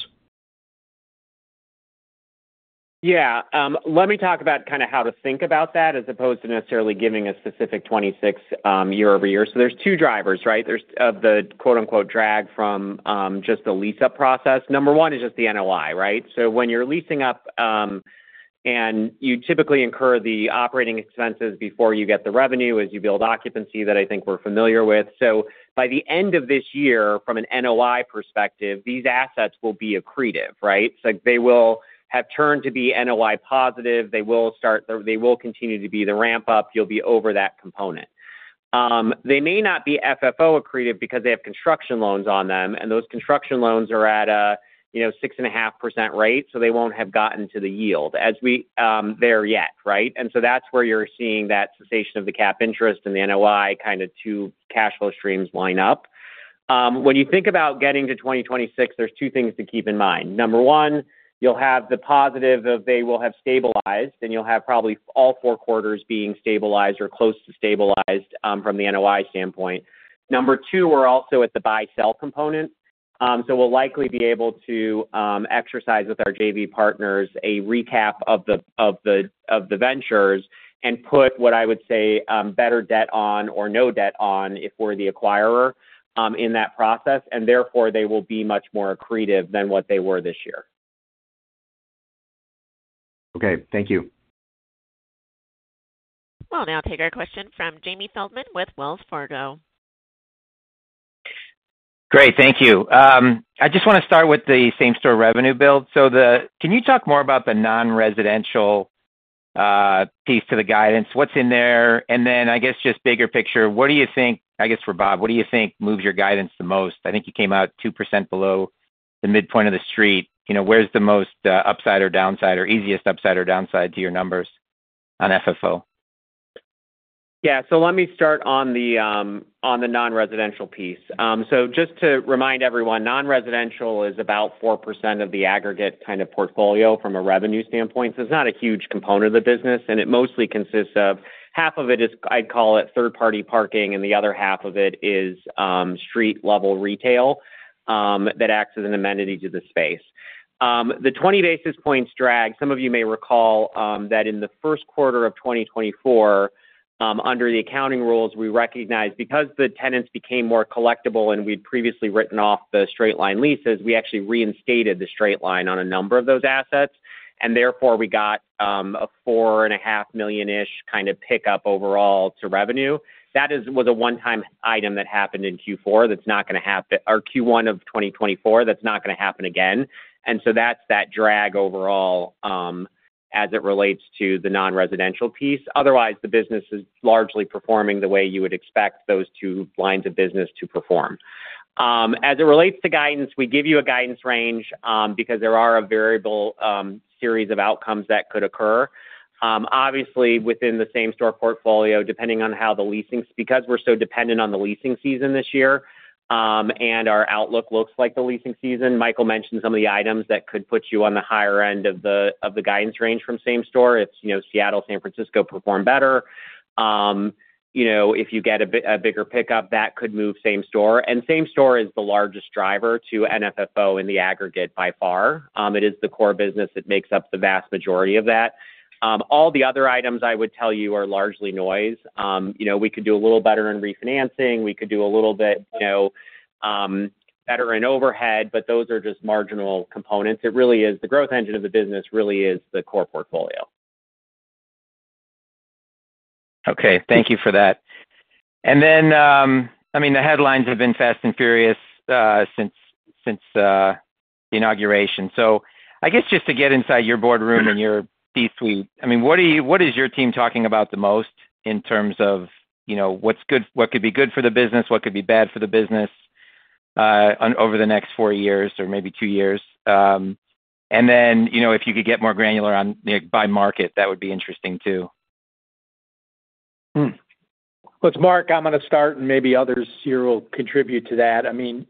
Yeah. Let me talk about kind of how to think about that as opposed to necessarily giving a specific 2026 year-over-year. So there's two drivers, right, of the "drag" from just the lease-up process. Number one is just the NOI, right? So when you're leasing up, and you typically incur the operating expenses before you get the revenue as you build occupancy that I think we're familiar with. So by the end of this year, from an NOI perspective, these assets will be accretive, right? They will have turned to be NOI positive. They will continue to be the ramp-up. You'll be over that component. They may not be FFO accretive because they have construction loans on them, and those construction loans are at a 6.5% rate, so they won't have gotten to the yield there yet, right? And so that's where you're seeing that cessation of the cap interest and the NOI kind of two cash flow streams line up. When you think about getting to 2026, there's two things to keep in mind. Number one, you'll have the positive of they will have stabilized, and you'll have probably all four quarters being stabilized or close to stabilized from the NOI standpoint. Number two, we're also at the buy-sell component. So we'll likely be able to exercise with our JV partners a recap of the ventures and put what I would say better debt on or no debt on if we're the acquirer in that process. And therefore, they will be much more accretive than what they were this year. Okay. Thank you. Well, now we'll take our question from Jamie Feldman with Wells Fargo. Great. Thank you. I just want to start with the same store revenue build. So can you talk more about the non-residential piece to the guidance? What's in there? And then I guess just bigger picture, what do you think I guess for Bob, what do you think moves your guidance the most? I think you came out 2% below the midpoint of the street. Where's the most upside or downside or easiest upside or downside to your numbers on FFO? Yeah. Let me start on the non-residential piece. Just to remind everyone, non-residential is about 4% of the aggregate kind of portfolio from a revenue standpoint. It's not a huge component of the business, and it mostly consists of half of it is, I'd call it, third-party parking, and the other half of it is street-level retail that acts as an amenity to the space. The 20 basis points drag. Some of you may recall that in the first quarter of 2024, under the accounting rules, we recognized because the tenants became more collectible and we'd previously written off the straight-line leases, we actually reinstated the straight-line on a number of those assets. Therefore, we got a $4.5 million-ish kind of pickup overall to revenue. That was a one-time item that happened in Q4 that's not going to happen or Q1 of 2024 that's not going to happen again. And so that's that drag overall as it relates to the non-residential piece. Otherwise, the business is largely performing the way you would expect those two lines of business to perform. As it relates to guidance, we give you a guidance range because there are a variable series of outcomes that could occur. Obviously, within the same store portfolio, depending on how the leasing because we're so dependent on the leasing season this year and our outlook looks like the leasing season, Michael mentioned some of the items that could put you on the higher end of the guidance range from same store. If Seattle, San Francisco perform better, if you get a bigger pickup, that could move same store. Same store is the largest driver to NFFO in the aggregate by far. It is the core business that makes up the vast majority of that. All the other items I would tell you are largely noise. We could do a little better in refinancing. We could do a little bit better in overhead, but those are just marginal components. It really is the growth engine of the business really is the core portfolio. Okay. Thank you for that. And then, I mean, the headlines have been fast and furious since the inauguration. So I guess just to get inside your boardroom and your C-suite, I mean, what is your team talking about the most in terms of what could be good for the business, what could be bad for the business over the next four years or maybe two years? Then if you could get more granular on by market, that would be interesting too. Well, it's Mark. I'm going to start, and maybe others here will contribute to that. I mean,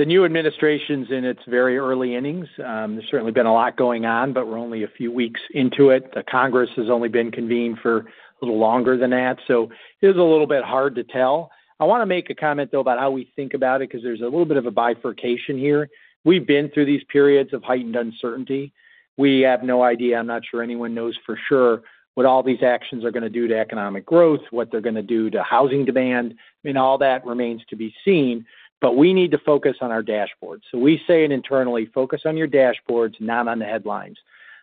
the new administration's in its very early innings. There's certainly been a lot going on, but we're only a few weeks into it. The Congress has only been convened for a little longer than that. So it is a little bit hard to tell. I want to make a comment, though, about how we think about it because there's a little bit of a bifurcation here. We've been through these periods of heightened uncertainty. We have no idea. I'm not sure anyone knows for sure what all these actions are going to do to economic growth, what they're going to do to housing demand. I mean, all that remains to be seen, but we need to focus on our dashboards. So we say it internally, focus on your dashboards, not on the headlines.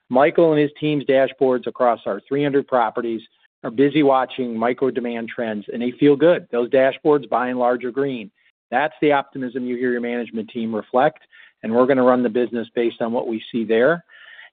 Michael and his team's dashboards across our 300 properties are busy watching micro-demand trends, and they feel good. Those dashboards, by and large, are green. That's the optimism you hear your management team reflect, and we're going to run the business based on what we see there.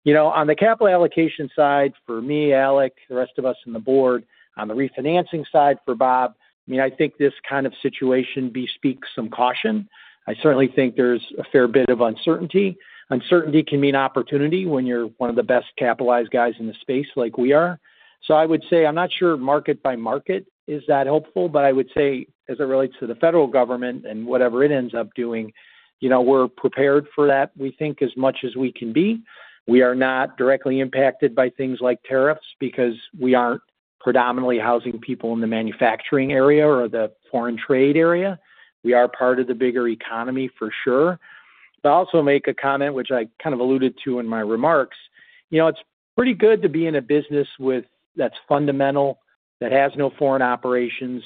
On the capital allocation side, for me, Alec, the rest of us on the board, on the refinancing side for Bob, I mean, I think this kind of situation bespeaks some caution. I certainly think there's a fair bit of uncertainty. Uncertainty can mean opportunity when you're one of the best capitalized guys in the space like we are. So I would say I'm not sure market by market is that helpful, but I would say as it relates to the federal government and whatever it ends up doing, we're prepared for that, we think, as much as we can be. We are not directly impacted by things like tariffs because we aren't predominantly housing people in the manufacturing area or the foreign trade area. We are part of the bigger economy for sure. But I'll also make a comment, which I kind of alluded to in my remarks. It's pretty good to be in a business that's fundamental, that has no foreign operations,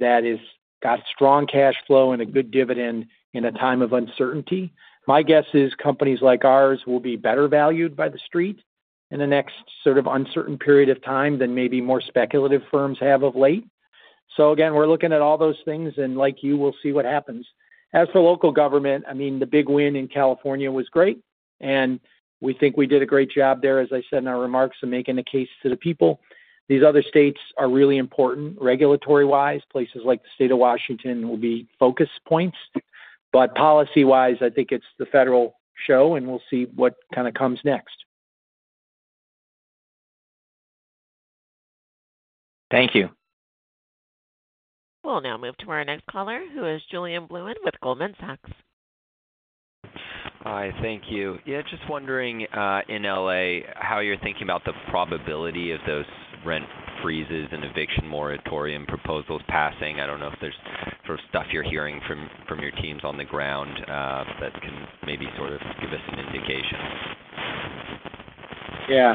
that has got strong cash flow and a good dividend in a time of uncertainty. My guess is companies like ours will be better valued by the street in the next sort of uncertain period of time than maybe more speculative firms have of late. So again, we're looking at all those things, and like you, we'll see what happens. As for local government, I mean, the big win in California was great, and we think we did a great job there, as I said in our remarks, of making a case to the people. These other states are really important regulatory-wise. Places like the state of Washington will be focus points. But policy-wise, I think it's the federal show, and we'll see what kind of comes next. Thank you. Well, now we'll move to our next caller, who is Julien Blouin with Goldman Sachs. Hi. Thank you. Yeah. Just wondering in L.A. how you're thinking about the probability of those rent freezes and eviction moratorium proposals passing. I don't know if there's sort of stuff you're hearing from your teams on the ground that can maybe sort of give us an indication. Yeah.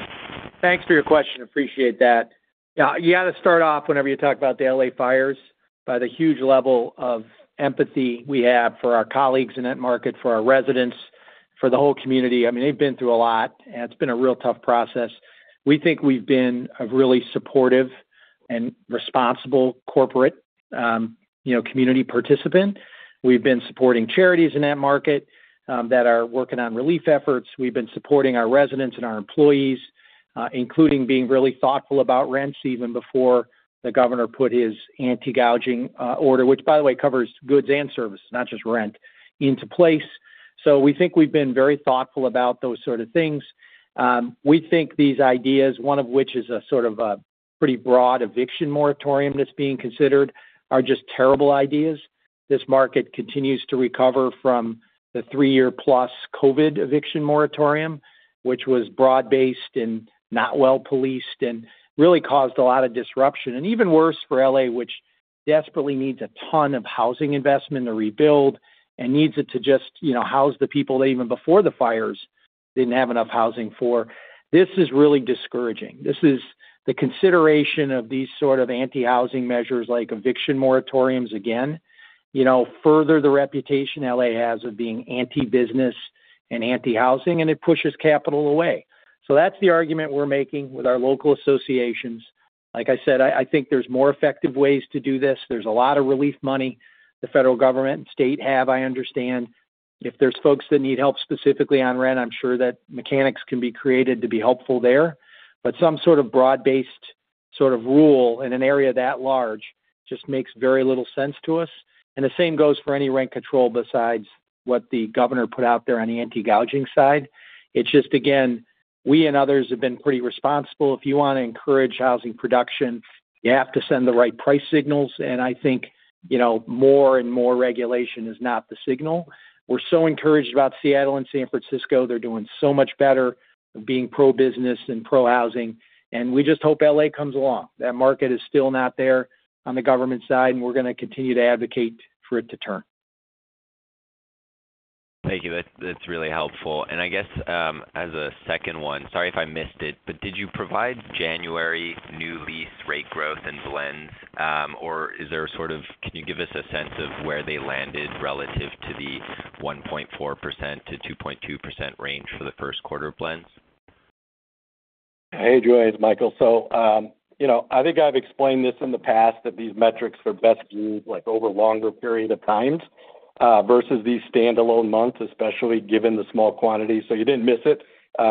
Thanks for your question. Appreciate that. Yeah. You got to start off whenever you talk about the L.A. fires by the huge level of empathy we have for our colleagues in that market, for our residents, for the whole community. I mean, they've been through a lot, and it's been a real tough process. We think we've been a really supportive and responsible corporate community participant. We've been supporting charities in that market that are working on relief efforts. We've been supporting our residents and our employees, including being really thoughtful about rents even before the governor put his anti-gouging order, which, by the way, covers goods and services, not just rent, into place. So we think we've been very thoughtful about those sort of things. We think these ideas, one of which is a sort of a pretty broad eviction moratorium that's being considered, are just terrible ideas. This market continues to recover from the three-year-plus COVID eviction moratorium, which was broad-based and not well policed and really caused a lot of disruption, and even worse for L.A., which desperately needs a ton of housing investment to rebuild and needs it to just house the people that even before the fires, they didn't have enough housing for. This is really discouraging. This is the consideration of these sort of anti-housing measures like eviction moratoriums again further the L.A., has of being anti-business and anti-housing, and it pushes capital away, so that's the argument we're making with our local associations. Like I said, I think there's more effective ways to do this. There's a lot of relief money the federal government and state have, I understand. If there's folks that need help specifically on rent, I'm sure that mechanics can be created to be helpful there. But some sort of broad-based sort of rule in an area that large just makes very little sense to us. And the same goes for any rent control besides what the governor put out there on the anti-gouging side. It's just, again, we and others have been pretty responsible. If you want to encourage housing production, you have to send the right price signals. And I think more and more regulation is not the signal. We're so encouraged about Seattle and San Francisco. They're doing so much better of being pro-business and pro-housing. And we just hope L.A. comes along. That market is still not there on the government side, and we're going to continue to advocate for it to turn. Thank you. That's really helpful. And I guess as a second one, sorry if I missed it, but did you provide January new lease rate growth in blends? Or is there sort of, can you give us a sense of where they landed relative to the 1.4%-2.2% range for the first quarter blends? Hey, Julien. It's Michael. So I think I've explained this in the past, that these metrics are best viewed over longer period of times versus these standalone months, especially given the small quantity. So you didn't miss it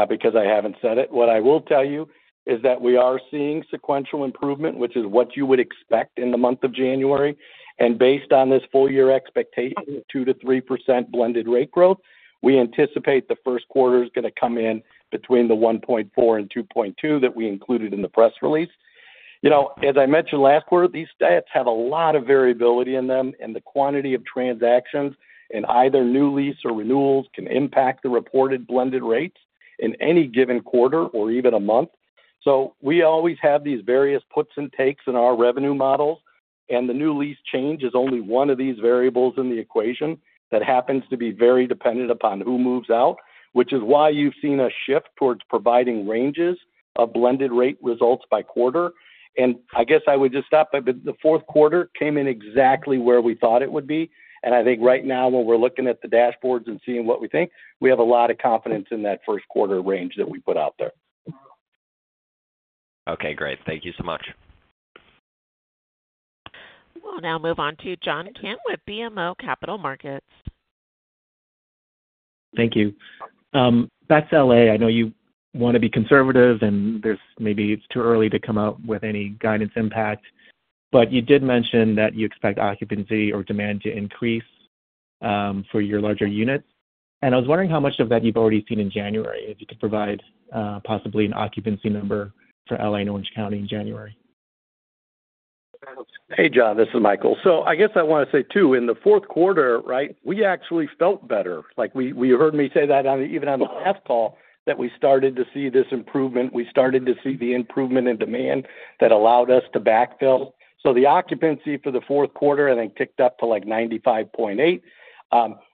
because I haven't said it. What I will tell you is that we are seeing sequential improvement, which is what you would expect in the month of January. And based on this full-year expectation of 2%-3% blended rate growth, we anticipate the first quarter is going to come in between the 1.4% and 2.2% that we included in the press release. As I mentioned last quarter, these stats have a lot of variability in them, and the quantity of transactions in either new lease or renewals can impact the reported blended rates in any given quarter or even a month. So we always have these various puts and takes in our revenue models, and the new lease change is only one of these variables in the equation that happens to be very dependent upon who moves out, which is why you've seen a shift towards providing ranges of blended rate results by quarter. And I guess I would just stop. The fourth quarter came in exactly where we thought it would be. And I think right now, when we're looking at the dashboards and seeing what we think, we have a lot of confidence in that first quarter range that we put out there. Okay. Great. Thank you so much. Now we'll move on to John Kim with BMO Capital Markets. Thank you. Back to L.A. I know you want to be conservative, and maybe it's too early to come out with any guidance impact. But you did mention that you expect occupancy or demand to increase for your larger units. And I was wondering how much of that you've already seen in January, if you could provide possibly an occupancy number for L.A. and Orange County in January. Hey, John. This is Michael. I guess I want to say too, in the fourth quarter, right, we actually felt better. You heard me say that even on the last call, that we started to see this improvement. We started to see the improvement in demand that allowed us to backfill. The occupancy for the fourth quarter, I think, ticked up to like 95.8%.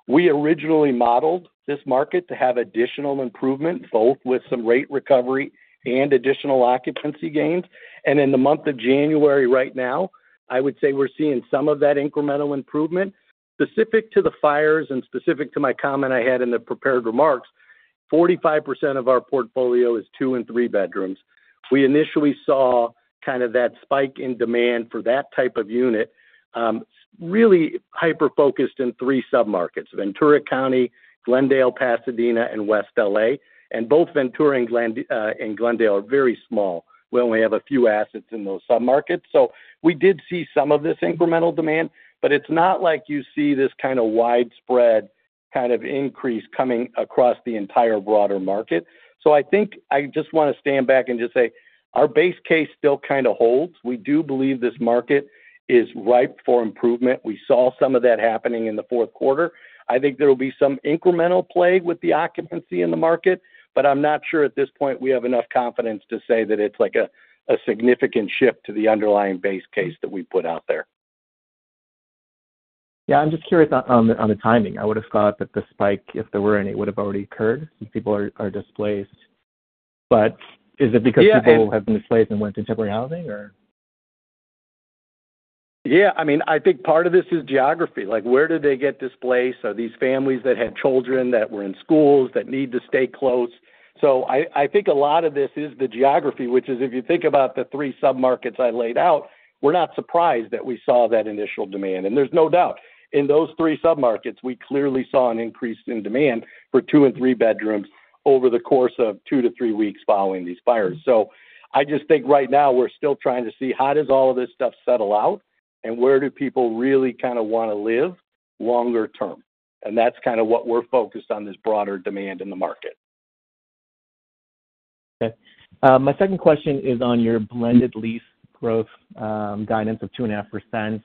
We originally modeled this market to have additional improvement, both with some rate recovery and additional occupancy gains, and in the month of January right now, I would say we're seeing some of that incremental improvement. Specific to the fires and specific to my comment I had in the prepared remarks, 45% of our portfolio is two and three bedrooms. We initially saw kind of that spike in demand for that type of unit, really hyper-focused in three submarkets: Ventura County, Glendale, Pasadena, and West L.A. And both Ventura and Glendale are very small. We only have a few assets in those submarkets, so we did see some of this incremental demand, but it's not like you see this kind of widespread kind of increase coming across the entire broader market, so I think I just want to stand back and just say our base case still kind of holds. We do believe this market is ripe for improvement. We saw some of that happening in the fourth quarter. I think there will be some incremental play with the occupancy in the market, but I'm not sure at this point we have enough confidence to say that it's like a significant shift to the underlying base case that we put out there. Yeah. I'm just curious on the timing. I would have thought that the spike, if there were any, would have already occurred since people are displaced. But is it because people have been displaced and went to temporary housing, or? Yeah. I mean, I think part of this is geography. Where did they get displaced? Are these families that had children that were in schools that need to stay close? I think a lot of this is the geography, which is if you think about the three submarkets I laid out, we're not surprised that we saw that initial demand. And there's no doubt in those three submarkets, we clearly saw an increase in demand for two and three bedrooms over the course of two to three weeks following these fires. I just think right now we're still trying to see how does all of this stuff settle out, and where do people really kind of want to live longer term? And that's kind of what we're focused on, this broader demand in the market. Okay. My second question is on your blended lease growth guidance of 2.5%.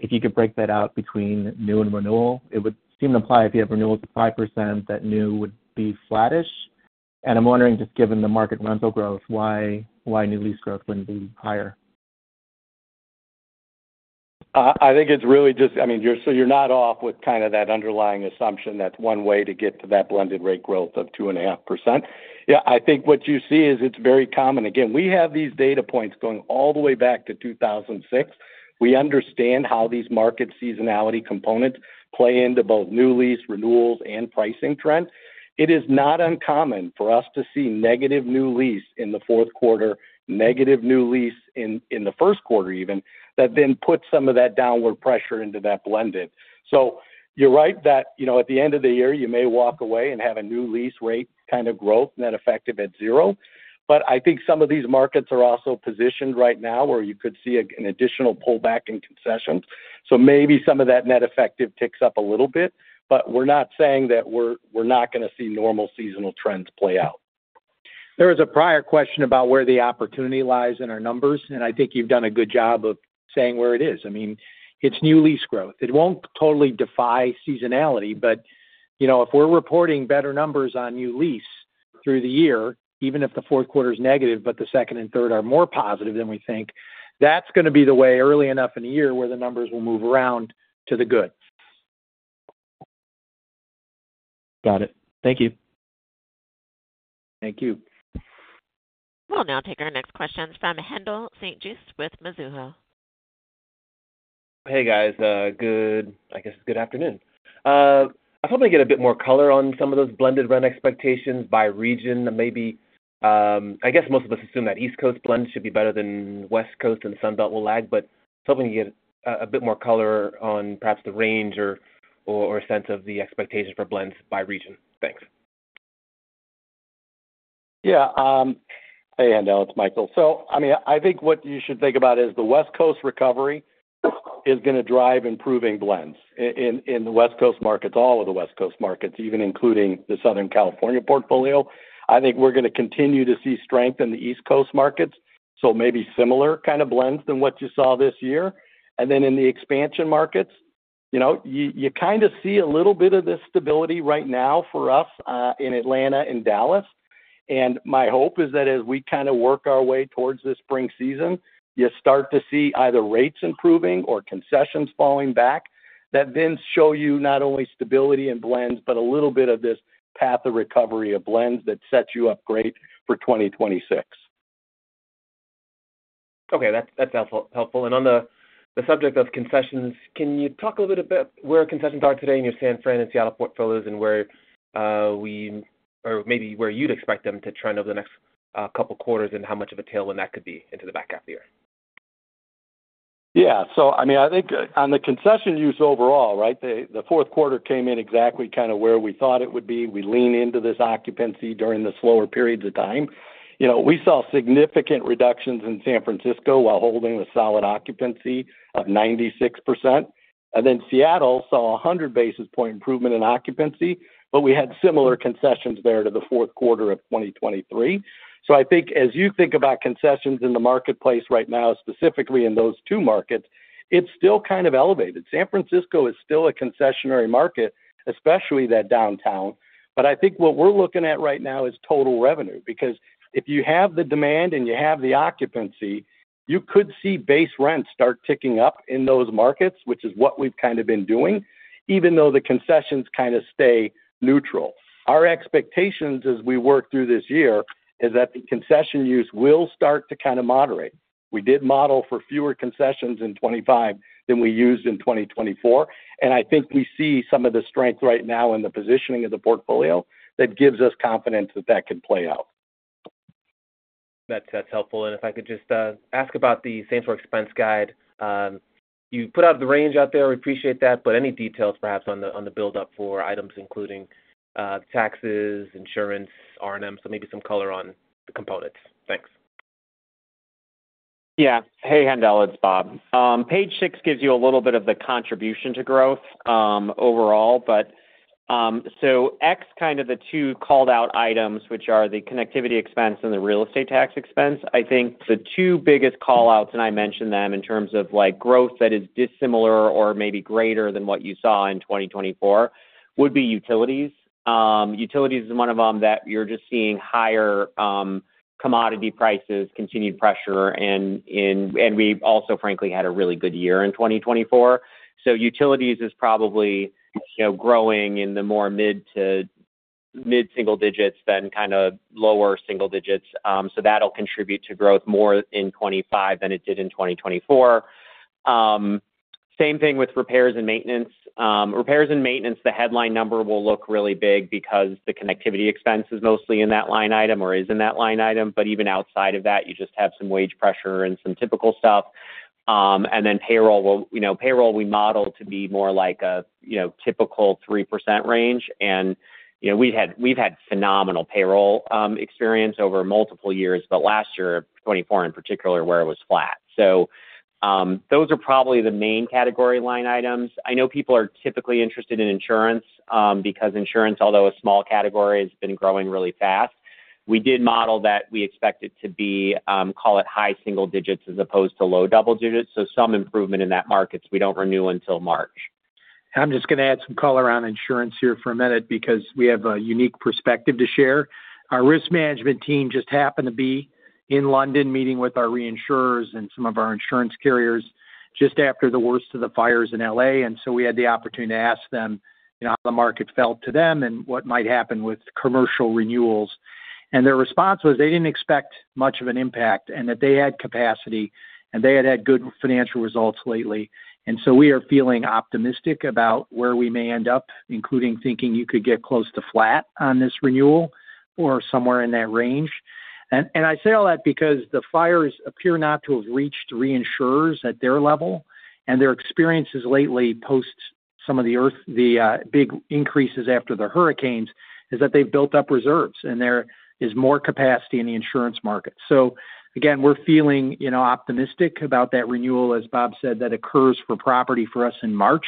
If you could break that out between new and renewal, it would seem to apply if you have renewals of 5% that new would be flattish. I'm wondering, just given the market rental growth, why new lease growth wouldn't be higher? I think it's really just, I mean, so you're not off with kind of that underlying assumption that's one way to get to that blended rate growth of 2.5%. Yeah. I think what you see is it's very common. Again, we have these data points going all the way back to 2006. We understand how these market seasonality components play into both new lease, renewals, and pricing trends. It is not uncommon for us to see negative new lease in the fourth quarter, negative new lease in the first quarter even, that then puts some of that downward pressure into that blended. So you're right that at the end of the year, you may walk away and have a new lease rate kind of growth net effective at zero. But I think some of these markets are also positioned right now where you could see an additional pullback in concessions. So maybe some of that net effective ticks up a little bit, but we're not saying that we're not going to see normal seasonal trends play out. There was a prior question about where the opportunity lies in our numbers, and I think you've done a good job of saying where it is. I mean, it's new lease growth. It won't totally defy seasonality, but if we're reporting better numbers on new lease through the year, even if the fourth quarter is negative but the second and third are more positive than we think, that's going to be the way early enough in the year where the numbers will move around to the good. Got it. Thank you. Thank you. Well, now we'll take our next question from Haendel St. Juste with Mizuho. Hey, guys. I guess it's good afternoon. I was hoping to get a bit more color on some of those blended rent expectations by region. I guess most of us assume that East Coast blend should be better than West Coast, and Sunbelt will lag, but I was hoping to get a bit more color on perhaps the range or a sense of the expectation for blends by region. Thanks. Yeah. Hey, Haendel. It's Michael. So I mean, I think what you should think about is the West Coast recovery is going to drive improving blends in the West Coast markets, all of the West Coast markets, even including the Southern California portfolio. I think we're going to continue to see strength in the East Coast markets, so maybe similar kind of blends than what you saw this year, and then in the expansion markets, you kind of see a little bit of this stability right now for us in Atlanta and Dallas, and my hope is that as we kind of work our way towards the spring season, you start to see either rates improving or concessions falling back that then show you not only stability in blends but a little bit of this path of recovery of blends that sets you up great for 2026. Okay. That's helpful. On the subject of concessions, can you talk a little bit about where concessions are today in your San Francisco and Seattle portfolios and maybe where you'd expect them to trend over the next couple of quarters and how much of a tailwind that could be into the back half of the year? Yeah. I mean, I think on the concession use overall, right, the fourth quarter came in exactly kind of where we thought it would be. We lean into this occupancy during the slower periods of time. We saw significant reductions in San Francisco while holding a solid occupancy of 96%. And then Seattle saw 100 basis points improvement in occupancy, but we had similar concessions there to the fourth quarter of 2023. I think as you think about concessions in the marketplace right now, specifically in those two markets, it's still kind of elevated. San Francisco is still a concessionary market, especially that downtown. But I think what we're looking at right now is total revenue because if you have the demand and you have the occupancy, you could see base rent start ticking up in those markets, which is what we've kind of been doing, even though the concessions kind of stay neutral. Our expectations as we work through this year is that the concession use will start to kind of moderate. We did model for fewer concessions in 2025 than we used in 2024. And I think we see some of the strength right now in the positioning of the portfolio that gives us confidence that that could play out. That's helpful. And if I could just ask about the same-store expense guide, you put out the range out there. We appreciate that. But any details perhaps on the build-up for items including taxes, insurance, R&M? So maybe some color on the components. Thanks. Yeah. Hey, Haendel. It's Bob. Page six gives you a little bit of the contribution to growth overall. So Ex, kind of the two called-out items, which are the connectivity expense and the real estate tax expense. I think the two biggest callouts, and I mentioned them in terms of growth that is dissimilar or maybe greater than what you saw in 2024, would be utilities. Utilities is one of them that you're just seeing higher commodity prices, continued pressure, and we also, frankly, had a really good year in 2024. So utilities is probably growing in the more mid to mid-single digits than kind of lower single digits. So that'll contribute to growth more in 2025 than it did in 2024. Same thing with repairs and maintenance. Repairs and maintenance, the headline number will look really big because the connectivity expense is mostly in that line item or is in that line item. But even outside of that, you just have some wage pressure and some typical stuff. And then payroll, we model to be more like a typical 3% range. And we've had phenomenal payroll experience over multiple years, but last year, 2024 in particular, where it was flat. So those are probably the main category line items. I know people are typically interested in insurance because insurance, although a small category, has been growing really fast. We did model that we expect it to be called it high single digits as opposed to low double digits. So some improvement in that markets. We don't renew until March. I'm just going to add some color on insurance here for a minute because we have a unique perspective to share. Our risk management team just happened to be in London meeting with our reinsurers and some of our insurance carriers just after the worst of the fires in L.A., and so we had the opportunity to ask them how the market felt to them and what might happen with commercial renewals, and their response was they didn't expect much of an impact and that they had capacity and they had had good financial results lately, and so we are feeling optimistic about where we may end up, including thinking you could get close to flat on this renewal or somewhere in that range, and I say all that because the fires appear not to have reached reinsurers at their level. And their experiences lately post some of the big increases after the hurricanes is that they've built up reserves, and there is more capacity in the insurance market. So again, we're feeling optimistic about that renewal, as Bob said, that occurs for property for us in March.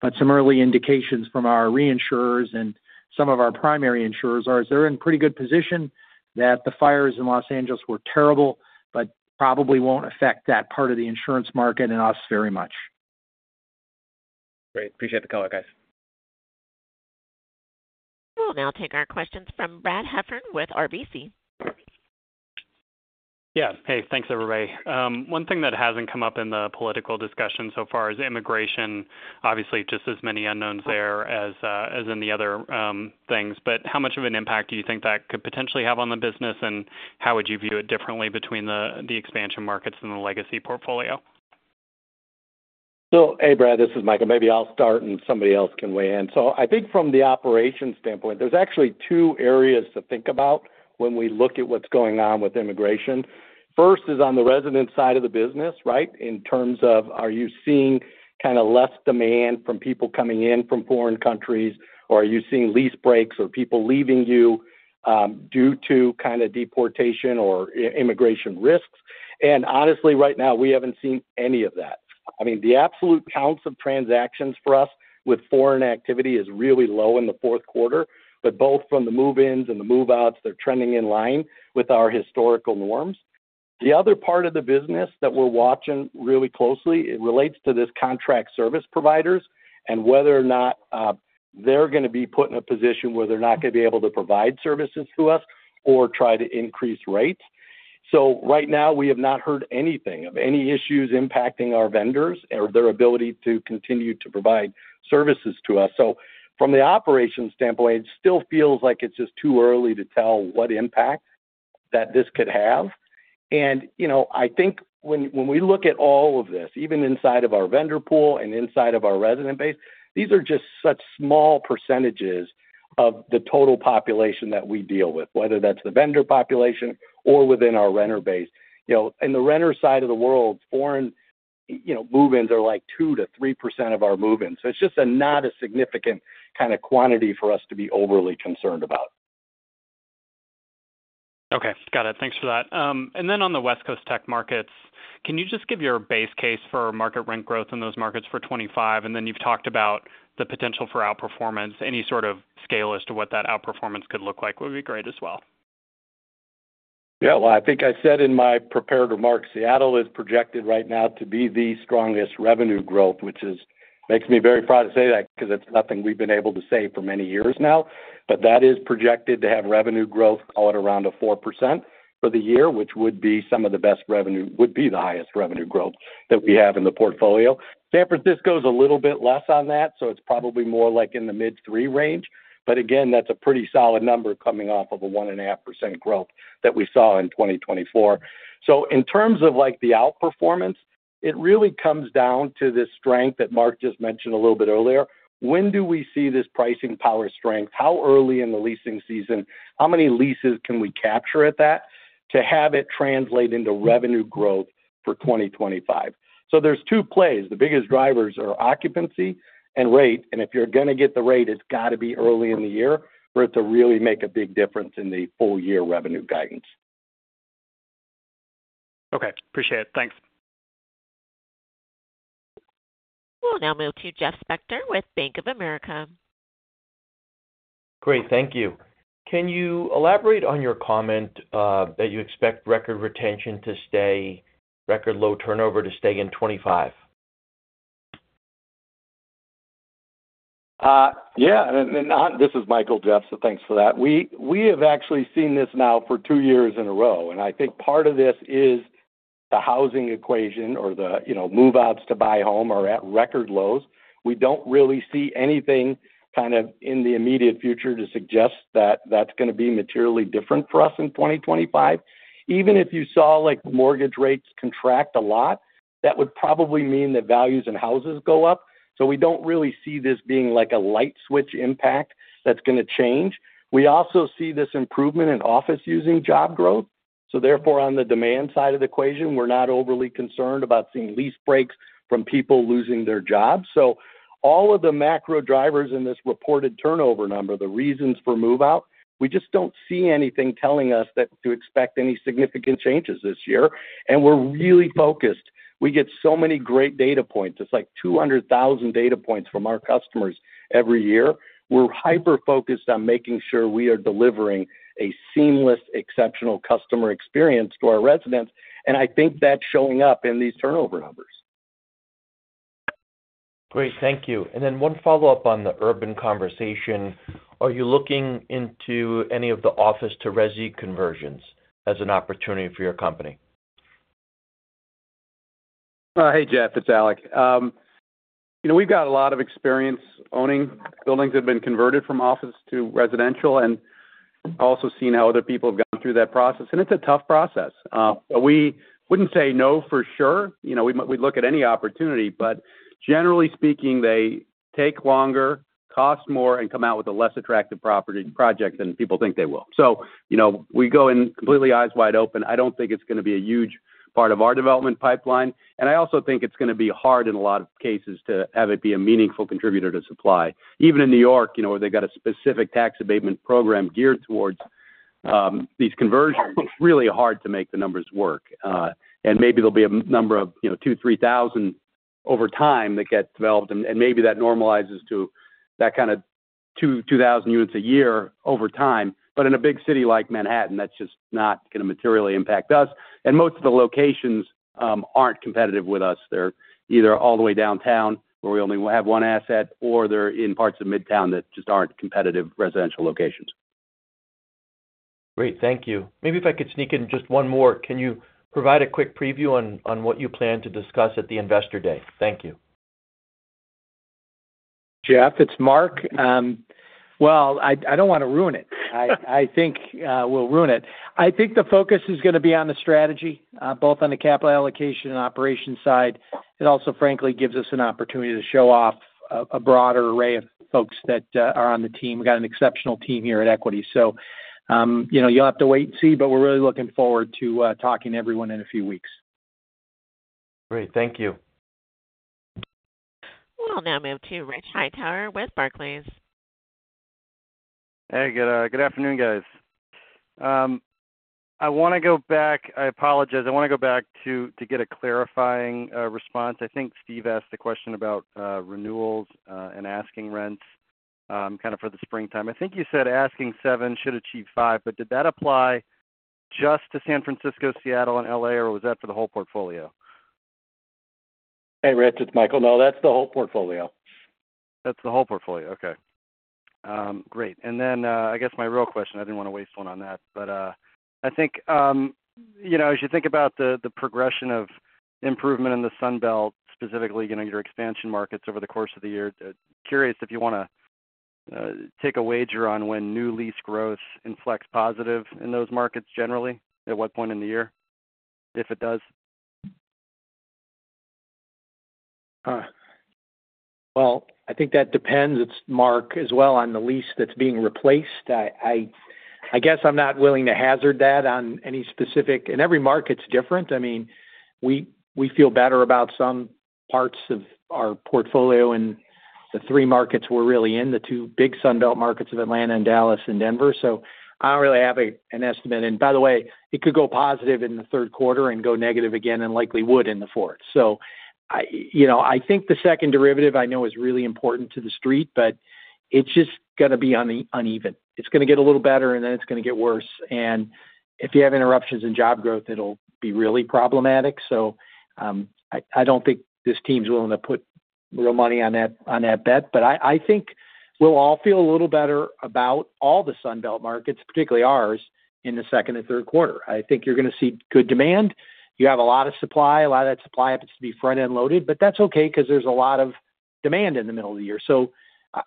But some early indications from our reinsurers and some of our primary insurers are they're in pretty good position that the fires in Los Angeles were terrible, but probably won't affect that part of the insurance market and us very much. Great. Appreciate the color, guys. We'll now take our questions from Brad Heffern with RBC. Yeah. Hey, thanks, everybody. One thing that hasn't come up in the political discussion so far is immigration. Obviously, just as many unknowns there as in the other things. But how much of an impact do you think that could potentially have on the business, and how would you view it differently between the expansion markets and the legacy portfolio? So hey, Brad, this is Michael. Maybe I'll start, and somebody else can weigh in. So I think from the operation standpoint, there's actually two areas to think about when we look at what's going on with immigration. First is on the resident side of the business, right, in terms of are you seeing kind of less demand from people coming in from foreign countries, or are you seeing lease breaks or people leaving you due to kind of deportation or immigration risks? And honestly, right now, we haven't seen any of that. I mean, the absolute counts of transactions for us with foreign activity is really low in the fourth quarter, but both from the move-ins and the move-outs, they're trending in line with our historical norms. The other part of the business that we're watching really closely, it relates to these contract service providers and whether or not they're going to be put in a position where they're not going to be able to provide services to us or try to increase rates. So right now, we have not heard anything of any issues impacting our vendors or their ability to continue to provide services to us. So from the operation standpoint, it still feels like it's just too early to tell what impact that this could have. And I think when we look at all of this, even inside of our vendor pool and inside of our resident base, these are just such small percentages of the total population that we deal with, whether that's the vendor population or within our renter base. In the renter side of the world, foreign move-ins are like 2% to 3% of our move-ins. So it's just not a significant kind of quantity for us to be overly concerned about. Okay. Got it. Thanks for that. And then on the West Coast tech markets, can you just give your base case for market rent growth in those markets for 2025? And then you've talked about the potential for outperformance. Any sort of scale as to what that outperformance could look like would be great as well. Yeah. I think I said in my prepared remarks, Seattle is projected right now to be the strongest revenue growth, which makes me very proud to say that because it's nothing we've been able to say for many years now. But that is projected to have revenue growth, call it around 4% for the year, which would be some of the best revenue, would be the highest revenue growth that we have in the portfolio. San Francisco is a little bit less on that, so it's probably more like in the mid-three range. But again, that's a pretty solid number coming off of a 1.5% growth that we saw in 2024. So in terms of the outperformance, it really comes down to this strength that Mark just mentioned a little bit earlier. When do we see this pricing power strength? How early in the leasing season? How many leases can we capture at that to have it translate into revenue growth for 2025? So there's two plays. The biggest drivers are occupancy and rate. And if you're going to get the rate, it's got to be early in the year for it to really make a big difference in the full-year revenue guidance. Okay. Appreciate it. Thanks. We'll now move to Jeff Spector with Bank of America. Great. Thank you. Can you elaborate on your comment that you expect record retention to stay, record low turnover to stay in 2025? Yeah. And this is Michael, Jeff, so thanks for that. We have actually seen this now for two years in a row. And I think part of this is the housing equation or the move-outs to buy home are at record lows. We don't really see anything kind of in the immediate future to suggest that that's going to be materially different for us in 2025. Even if you saw mortgage rates contract a lot, that would probably mean that values and houses go up. So we don't really see this being a light switch impact that's going to change. We also see this improvement in office-using job growth. So therefore, on the demand side of the equation, we're not overly concerned about seeing lease breaks from people losing their jobs. So all of the macro drivers in this reported turnover number, the reasons for move-out, we just don't see anything telling us to expect any significant changes this year. And we're really focused. We get so many great data points. It's like 200,000 data points from our customers every year. We're hyper-focused on making sure we are delivering a seamless, exceptional customer experience to our residents. And I think that's showing up in these turnover numbers. Great. Thank you. And then one follow-up on the urban conversation. Are you looking into any of the office-to-resi conversions as an opportunity for your company? Hey, Jeff, it's Alec. We've got a lot of experience owning buildings that have been converted from office to residential, and I've also seen how other people have gone through that process. And it's a tough process. But we wouldn't say no for sure. We'd look at any opportunity. But generally speaking, they take longer, cost more, and come out with a less attractive project than people think they will. So we go in completely eyes wide open. I don't think it's going to be a huge part of our development pipeline. And I also think it's going to be hard in a lot of cases to have it be a meaningful contributor to supply. Even in New York, where they've got a specific tax abatement program geared towards these conversions, it's really hard to make the numbers work. And maybe there'll be a number of 2,000, 3,000 over time that get developed. And maybe that normalizes to that kind of 2,000 units a year over time. But in a big city like Manhattan, that's just not going to materially impact us. And most of the locations aren't competitive with us. They're either all the way downtown where we only have one asset, or they're in parts of Midtown that just aren't competitive residential locations. Great. Thank you. Maybe if I could sneak in just one more, can you provide a quick preview on what you plan to discuss at the investor day? Thank you. Jeff, it's Mark. Well, I don't want to ruin it. I think we'll ruin it. I think the focus is going to be on the strategy, both on the capital allocation and operation side. It also, frankly, gives us an opportunity to show off a broader array of folks that are on the team. We've got an exceptional team here at Equity. So you'll have to wait and see, but we're really looking forward to talking to everyone in a few weeks. Great. Thank you. We'll now move to Rich Hightower with Barclays. Hey, good afternoon, guys. I want to go back. I apologize. I want to go back to get a clarifying response. I think Steve asked a question about renewals and asking rents kind of for the springtime. I think you said asking seven should achieve five, but did that apply just to San Francisco, Seattle, and L.A., or was that for the whole portfolio? Hey, Rich, it's Michael. No, that's the whole portfolio. That's the whole portfolio. Okay. Great. And then I guess my real question, I didn't want to waste one on that. But I think as you think about the progression of improvement in the Sunbelt, specifically your expansion markets over the course of the year, curious if you want to take a wager on when new lease growth inflects positive in those markets generally, at what point in the year, if it does? I think that depends, it's Mark, as well on the lease that's being replaced. I guess I'm not willing to hazard that on any specific. In every market, it's different. I mean, we feel better about some parts of our portfolio in the three markets we're really in, the two big Sunbelt markets of Atlanta and Dallas and Denver. So I don't really have an estimate. And by the way, it could go positive in the third quarter and go negative again and likely would in the fourth. So I think the second derivative I know is really important to the street, but it's just going to be uneven. It's going to get a little better, and then it's going to get worse. And if you have interruptions in job growth, it'll be really problematic. So I don't think this team's willing to put real money on that bet. But I think we'll all feel a little better about all the Sunbelt markets, particularly ours, in the second and third quarter. I think you're going to see good demand. You have a lot of supply. A lot of that supply happens to be front-end loaded. But that's okay because there's a lot of demand in the middle of the year. So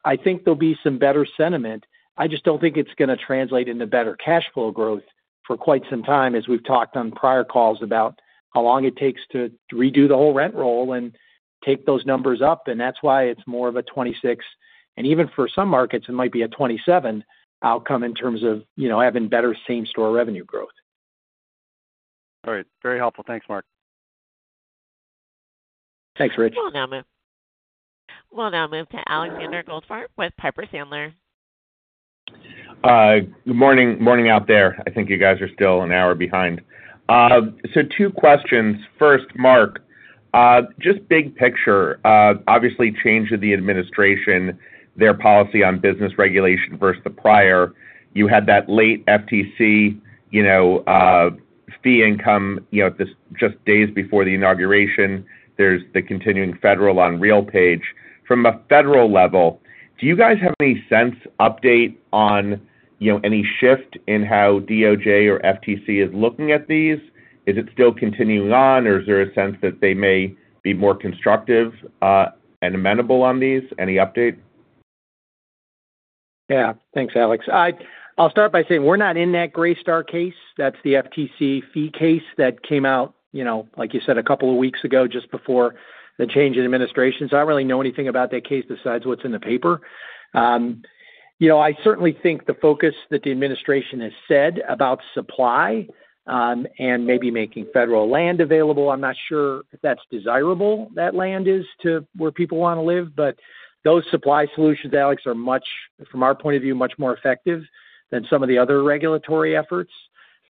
I think there'll be some better sentiment. I just don't think it's going to translate into better cash flow growth for quite some time, as we've talked on prior calls about how long it takes to redo the whole rent roll and take those numbers up. And that's why it's more of a 26. And even for some markets, it might be a 27 outcome in terms of having better same-store revenue growth. All right. Very helpful. Thanks, Mark. Thanks, Rich. We'll now move to Alexander Goldfarb with Piper Sandler. Good morning. Morning out there. I think you guys are still an hour behind. So two questions. First, Mark, just big picture, obviously change of the administration, their policy on business regulation versus the prior. You had that late FTC fee injunction just days before the inauguration. There's the continuing federal litigation on RealPage. From a federal level, do you guys have any sense update on any shift in how DOJ or FTC is looking at these? Is it still continuing on, or is there a sense that they may be more constructive and amenable on these? Any update? Yeah. Thanks, Alex. I'll start by saying we're not in that Greystar case. That's the FTC fee case that came out, like you said, a couple of weeks ago just before the change in administration. So I don't really know anything about that case besides what's in the paper. I certainly think the focus that the administration has said about supply and maybe making federal land available. I'm not sure if that's desirable, that land is to where people want to live, but those supply solutions, Alex, are much, from our point of view, much more effective than some of the other regulatory efforts,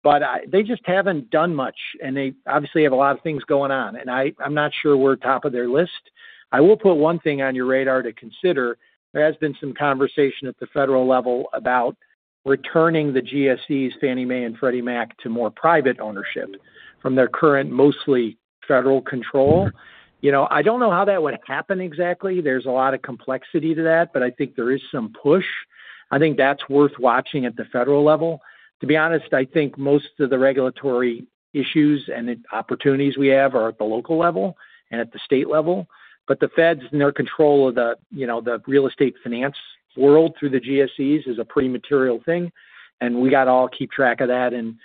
but they just haven't done much, and they obviously have a lot of things going on, and I'm not sure we're top of their list. I will put one thing on your radar to consider. There has been some conversation at the federal level about returning the GSEs, Fannie Mae and Freddie Mac, to more private ownership from their current mostly federal control. I don't know how that would happen exactly. There's a lot of complexity to that, but I think there is some push. I think that's worth watching at the federal level. To be honest, I think most of the regulatory issues and opportunities we have are at the local level and at the state level. But the Feds, in their control of the real estate finance world through the GSEs, is a pretty material thing. And we got to all keep track of that and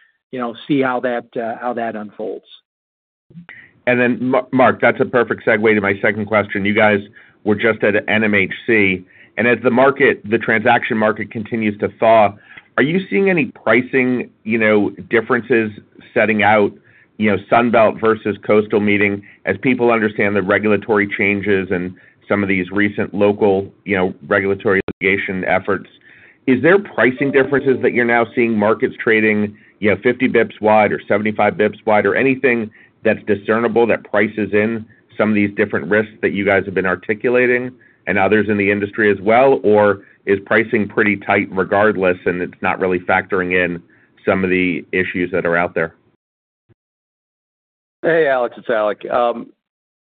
see how that unfolds. And then, Mark, that's a perfect segue to my second question. You guys were just at NMHC. And as the transaction market continues to thaw, are you seeing any pricing differences setting out Sunbelt versus coastal markets as people understand the regulatory changes and some of these recent local regulatory litigation efforts? Is there pricing differences that you're now seeing markets trading 50 basis points wide or 75 basis points wide or anything that's discernible that prices in some of these different risks that you guys have been articulating and others in the industry as well? Or is pricing pretty tight regardless, and it's not really factoring in some of the issues that are out there? Hey, Alex. It's Alec.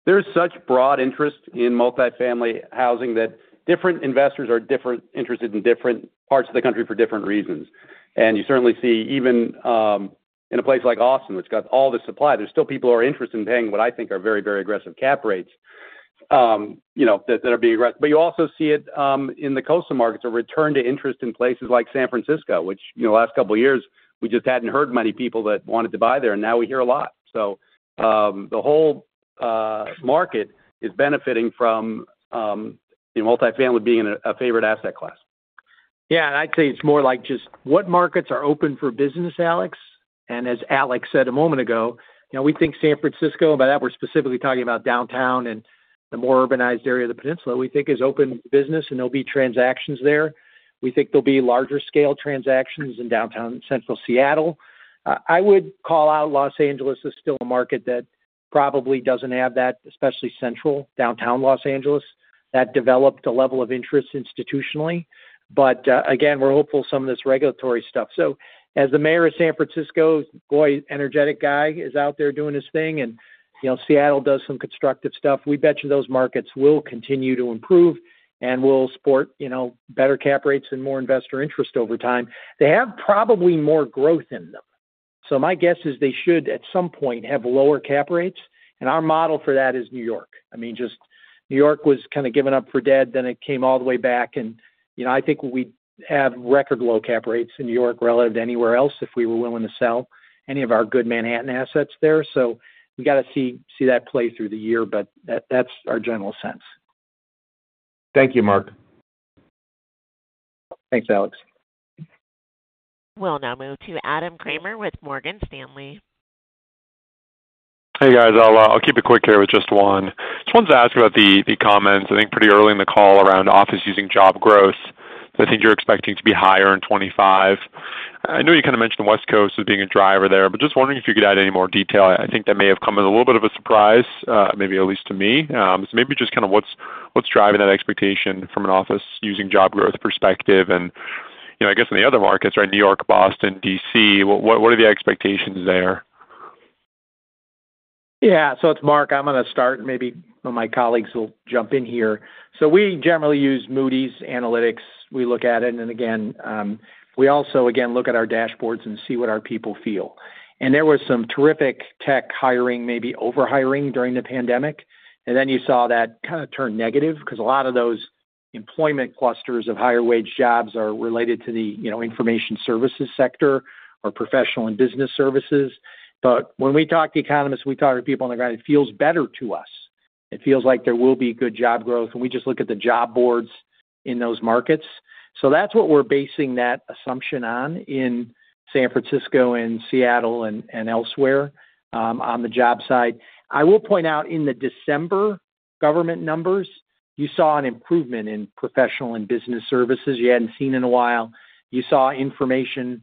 There's such broad interest in multifamily housing that different investors are interested in different parts of the country for different reasons. And you certainly see even in a place like Austin, which got all the supply, there's still people who are interested in paying what I think are very, very aggressive cap rates that are being aggressive. But you also see it in the coastal markets, a return to interest in places like San Francisco, which the last couple of years, we just hadn't heard many people that wanted to buy there. And now we hear a lot. So the whole market is benefiting from multifamily being a favorite asset class. Yeah. And I'd say it's more like just what markets are open for business, Alex. And as Alec said a moment ago, we think San Francisco, and by that, we're specifically talking about downtown and the more urbanized area of the peninsula, is open to business, and there'll be transactions there. We think there'll be larger scale transactions in downtown central Seattle. I would call out Los Angeles is still a market that probably doesn't have that, especially central downtown Los Angeles that developed a level of interest institutionally. But again, we're hopeful some of this regulatory stuff. So, as the mayor of San Francisco, boy, energetic guy, is out there doing his thing, and Seattle does some constructive stuff, I'll bet you those markets will continue to improve and will support better cap rates and more investor interest over time. They have probably more growth in them, so my guess is they should at some point have lower cap rates. And our model for that is New York. I mean, just New York was kind of given up for dead, then it came all the way back. And I think we have record low cap rates in New York relative to anywhere else if we were willing to sell any of our good Manhattan assets there, so we've got to see that play out through the year, but that's our general sense. Thank you, Mark. Thanks, Alex. We'll now move to Adam Kramer with Morgan Stanley. Hey, guys. I'll keep it quick here with just one. Just wanted to ask about the comments, I think, pretty early in the call around office-using job growth. I think you're expecting to be higher in 2025. I know you kind of mentioned the West Coast as being a driver there, but just wondering if you could add any more detail. I think that may have come as a little bit of a surprise, maybe at least to me. So maybe just kind of what's driving that expectation from an office-using job growth perspective? And I guess in the other markets, right, New York, Boston, D.C., what are the expectations there? Yeah. So it's Mark. I'm going to start, and maybe my colleagues will jump in here. So we generally use Moody's Analytics. We look at it. And again, we also look at our dashboards and see what our people feel. And there was some terrific tech hiring, maybe overhiring during the pandemic. And then you saw that kind of turn negative because a lot of those employment clusters of higher wage jobs are related to the information services sector or professional and business services. But when we talk to economists, we talk to people on the ground, it feels better to us. It feels like there will be good job growth. And we just look at the job boards in those markets. So that's what we're basing that assumption on in San Francisco and Seattle and elsewhere on the job side. I will point out in the December government numbers, you saw an improvement in professional and business services you hadn't seen in a while. You saw information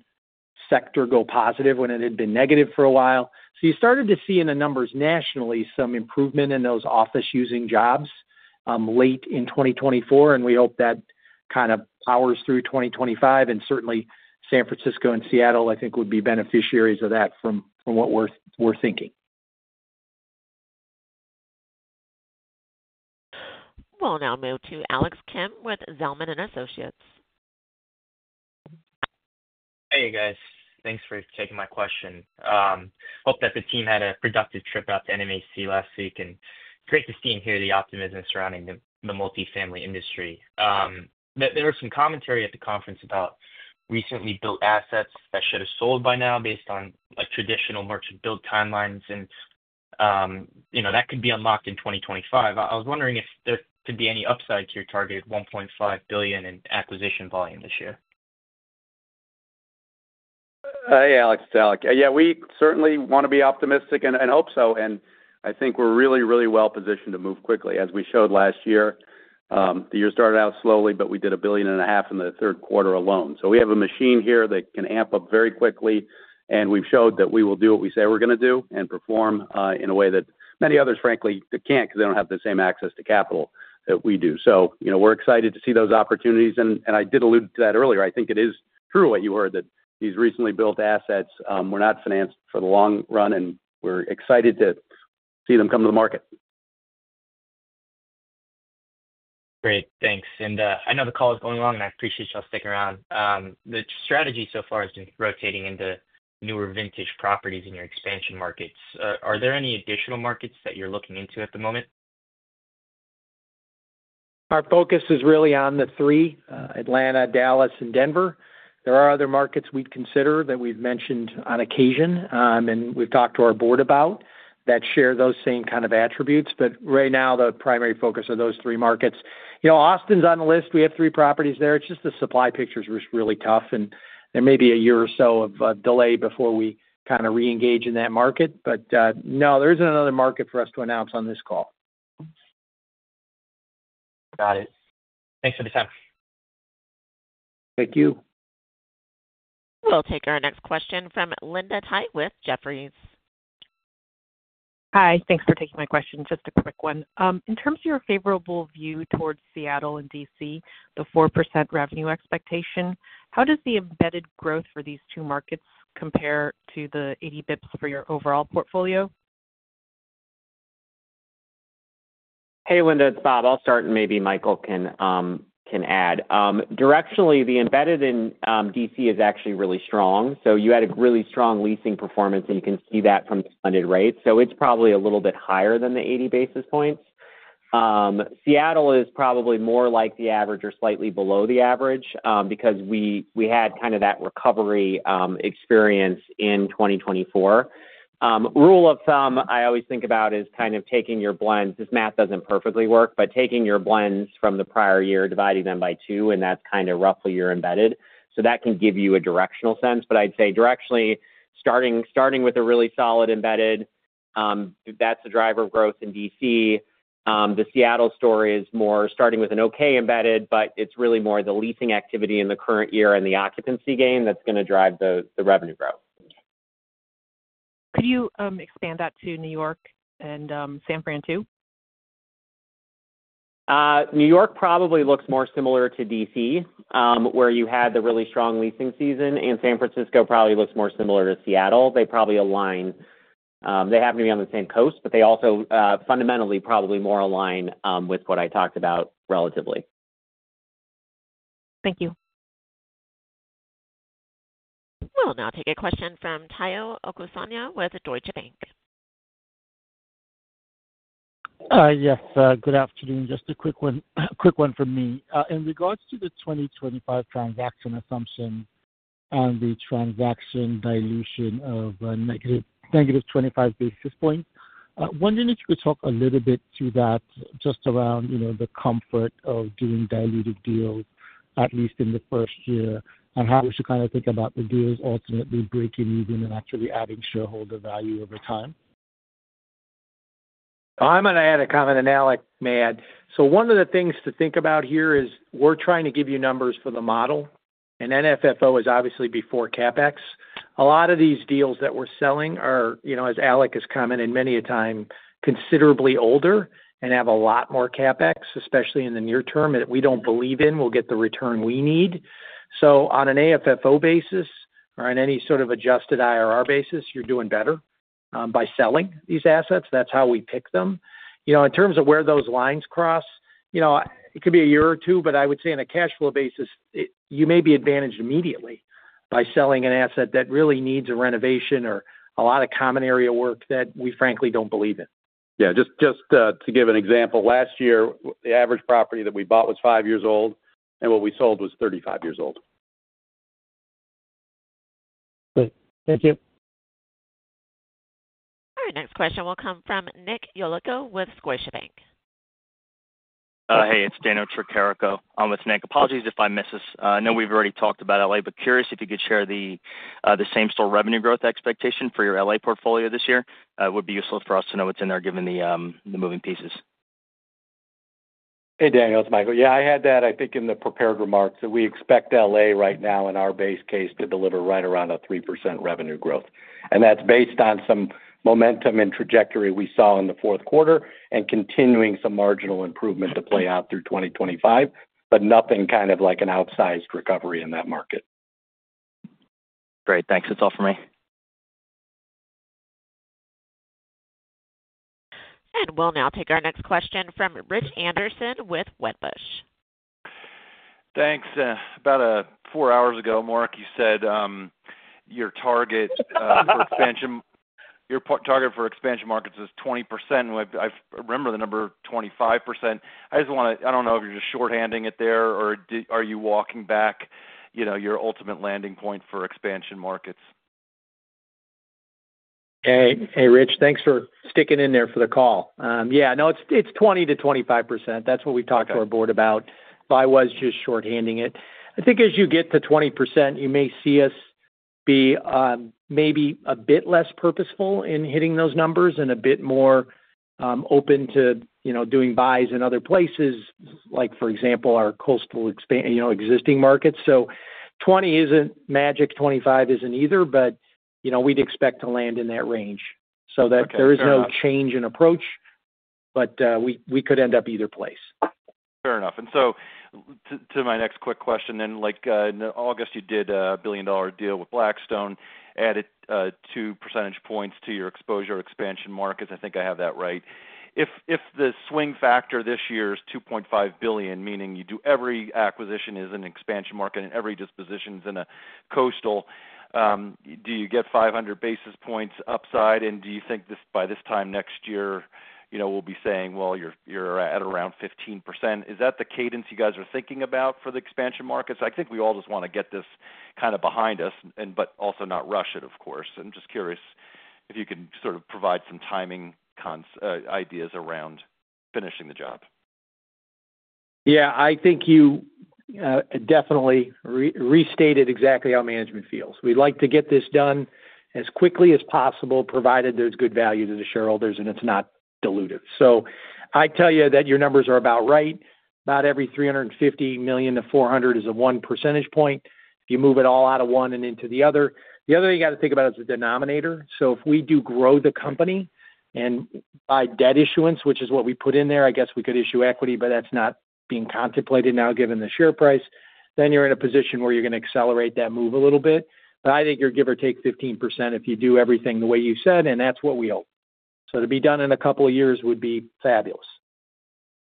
sector go positive when it had been negative for a while. So you started to see in the numbers nationally some improvement in those office-using jobs late in 2024. And we hope that kind of powers through 2025. And certainly, San Francisco and Seattle, I think, would be beneficiaries of that from what we're thinking. We'll now move to Alex Kalmus with Zelman & Associates. Hey, guys. Thanks for taking my question. Hope that the team had a productive trip out to NMHC last week. And great to see and hear the optimism surrounding the multifamily industry. There was some commentary at the conference about recently built assets that should have sold by now based on traditional merchant-built timelines. And that could be unlocked in 2025. I was wondering if there could be any upside to your targeted $1.5 billion in acquisition volume this year. Hey, Alex. It's Alec. Yeah. We certainly want to be optimistic and hope so. And I think we're really, really well positioned to move quickly, as we showed last year. The year started out slowly, but we did $1.5 billion in the third quarter alone. So we have a machine here that can amp up very quickly. And we've showed that we will do what we say we're going to do and perform in a way that many others, frankly, can't because they don't have the same access to capital that we do. So we're excited to see those opportunities. And I did allude to that earlier. I think it is true what you heard that these recently built assets were not financed for the long run. And we're excited to see them come to the market. Great. Thanks. I know the call is going long, and I appreciate y'all sticking around. The strategy so far has been rotating into newer vintage properties in your expansion markets. Are there any additional markets that you're looking into at the moment? Our focus is really on the three: Atlanta, Dallas, and Denver. There are other markets we'd consider that we've mentioned on occasion and we've talked to our board about that share those same kind of attributes. But right now, the primary focus are those three markets. Austin's on the list. We have three properties there. It's just the supply picture's really tough. And there may be a year or so of delay before we kind of reengage in that market. But no, there isn't another market for us to announce on this call. Got it. Thanks for the time. Thank you. We'll take our next question from Linda Tsai with Jefferies. Hi. Thanks for taking my question. Just a quick one. In terms of your favorable view towards Seattle and D.C., the 4% revenue expectation, how does the embedded growth for these two markets compare to the 80 basis points for your overall portfolio? Hey, Linda. It's Bob. I'll start, and maybe Michael can add. Directionally, the embedded in D.C. is actually really strong. So you had a really strong leasing performance, and you can see that from the blended rates. So it's probably a little bit higher than the 80 basis points. Seattle is probably more like the average or slightly below the average because we had kind of that recovery experience in 2024. Rule of thumb I always think about is kind of taking your blends. This math doesn't perfectly work, but taking your blends from the prior year, dividing them by two, and that's kind of roughly your embedded. So that can give you a directional sense. But I'd say directionally, starting with a really solid embedded, that's a driver of growth in D.C.. The Seattle story is more starting with an okay embedded, but it's really more the leasing activity in the current year and the occupancy gain that's going to drive the revenue growth. Could you expand that to New York and San Fran too? New York probably looks more similar to D.C., where you had the really strong leasing season. And San Francisco probably looks more similar to Seattle. They probably align. They happen to be on the same coast, but they also fundamentally probably more align with what I talked about relatively. Thank you. We'll now take a question from Tayo Okusanya with Deutsche Bank. Yes. Good afternoon. Just a quick one from me. In regards to the 2025 transaction assumption and the transaction dilution of negative 25 basis points, wondering if you could talk a little bit to that just around the comfort of doing diluted deals, at least in the first year, and how we should kind of think about the deals ultimately breaking even and actually adding shareholder value over time. I'm going to add a comment, and Alex may add. So one of the things to think about here is we're trying to give you numbers for the model, and NFFO is obviously before CapEx. A lot of these deals that we're selling are, as Alec has commented, many a time considerably older and have a lot more CapEx, especially in the near term, that we don't believe in will get the return we need. So on an AFFO basis or on any sort of adjusted IRR basis, you're doing better by selling these assets. That's how we pick them. In terms of where those lines cross, it could be a year or two, but I would say on a cash flow basis, you may be advantaged immediately by selling an asset that really needs a renovation or a lot of common area work that we, frankly, don't believe in. Yeah. Just to give an example, last year, the average property that we bought was five years old, and what we sold was 35 years old. Great. Thank you. Our next question will come from Nick Yulico with Scotiabank. Hey. It's Daniel Tricarico. I'm with Nick. Apologies if I missed this. I know we've already talked about L.A., but curious if you could share the same-store revenue growth expectation for your L.A. portfolio this year. It would be useful for us to know what's in there given the moving pieces. Hey, Dano. It's Michael. Yeah. I had that, I think, in the prepared remarks that we expect L.A. right now in our base case to deliver right around a 3% revenue growth. And that's based on some momentum and trajectory we saw in the fourth quarter and continuing some marginal improvement to play out through 2025, but nothing kind of like an outsized recovery in that market. Great. Thanks. That's all for me. And we'll now take our next question from Rich Anderson with Wedbush. Thanks. About four hours ago, Mark, you said your target for expansion markets is 20%, and I remember the number 25%. I just want to—I don't know if you're just shorthanding it there, or are you walking back your ultimate landing point for expansion markets? Hey, Rich. Thanks for sticking in there for the call. Yeah. No, it's 20%-25%. That's what we talked to our board about. But I was just shorthanding it. I think as you get to 20%, you may see us be maybe a bit less purposeful in hitting those numbers and a bit more open to doing buys in other places, like, for example, our coastal existing markets. So 20% isn't magic. 25% isn't either. But we'd expect to land in that range. So there is no change in approach, but we could end up either place. Fair enough. And so to my next quick question then, in August, you did a $1 billion deal with Blackstone, added two percentage points to your exposure expansion markets. I think I have that right. If the swing factor this year is $2.5 billion, meaning every acquisition is an expansion market and every disposition is in a coastal, do you get 500 basis points upside? And do you think by this time next year, we'll be saying, "Well, you're at around 15%"? Is that the cadence you guys are thinking about for the expansion markets? I think we all just want to get this kind of behind us, but also not rush it, of course. I'm just curious if you can sort of provide some timing ideas around finishing the job. Yeah. I think you definitely restated exactly how management feels. We'd like to get this done as quickly as possible, provided there's good value to the shareholders and it's not diluted. So I'd tell you that your numbers are about right. About every $350 million-$400 million is a 1 percentage point if you move it all out of one and into the other. The other thing you got to think about is the denominator. So if we do grow the company via debt issuance, which is what we put in there, I guess we could issue equity, but that's not being contemplated now given the share price, then you're in a position where you're going to accelerate that move a little bit. But I think you're give or take 15% if you do everything the way you said, and that's what we hope. So to be done in a couple of years would be fabulous.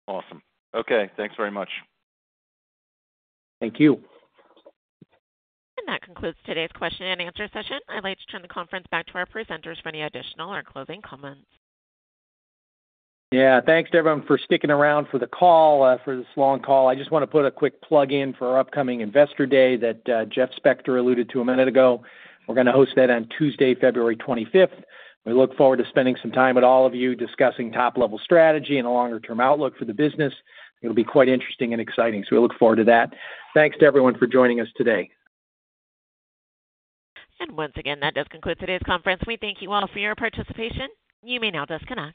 Awesome. Okay. Thanks very much. Thank you. And that concludes today's question and answer session. I'd like to turn the conference back to our presenters for any additional or closing comments. Yeah. Thanks to everyone for sticking around for the call, for this long call. I just want to put a quick plug in for our upcoming investor day that Jeff Spector alluded to a minute ago. We're going to host that on Tuesday, February 25th. We look forward to spending some time with all of you discussing top-level strategy and a longer-term outlook for the business. It'll be quite interesting and exciting. So we look forward to that. Thanks to everyone for joining us today. And once again, that does conclude today's conference. We thank you all for your participation. You may now disconnect.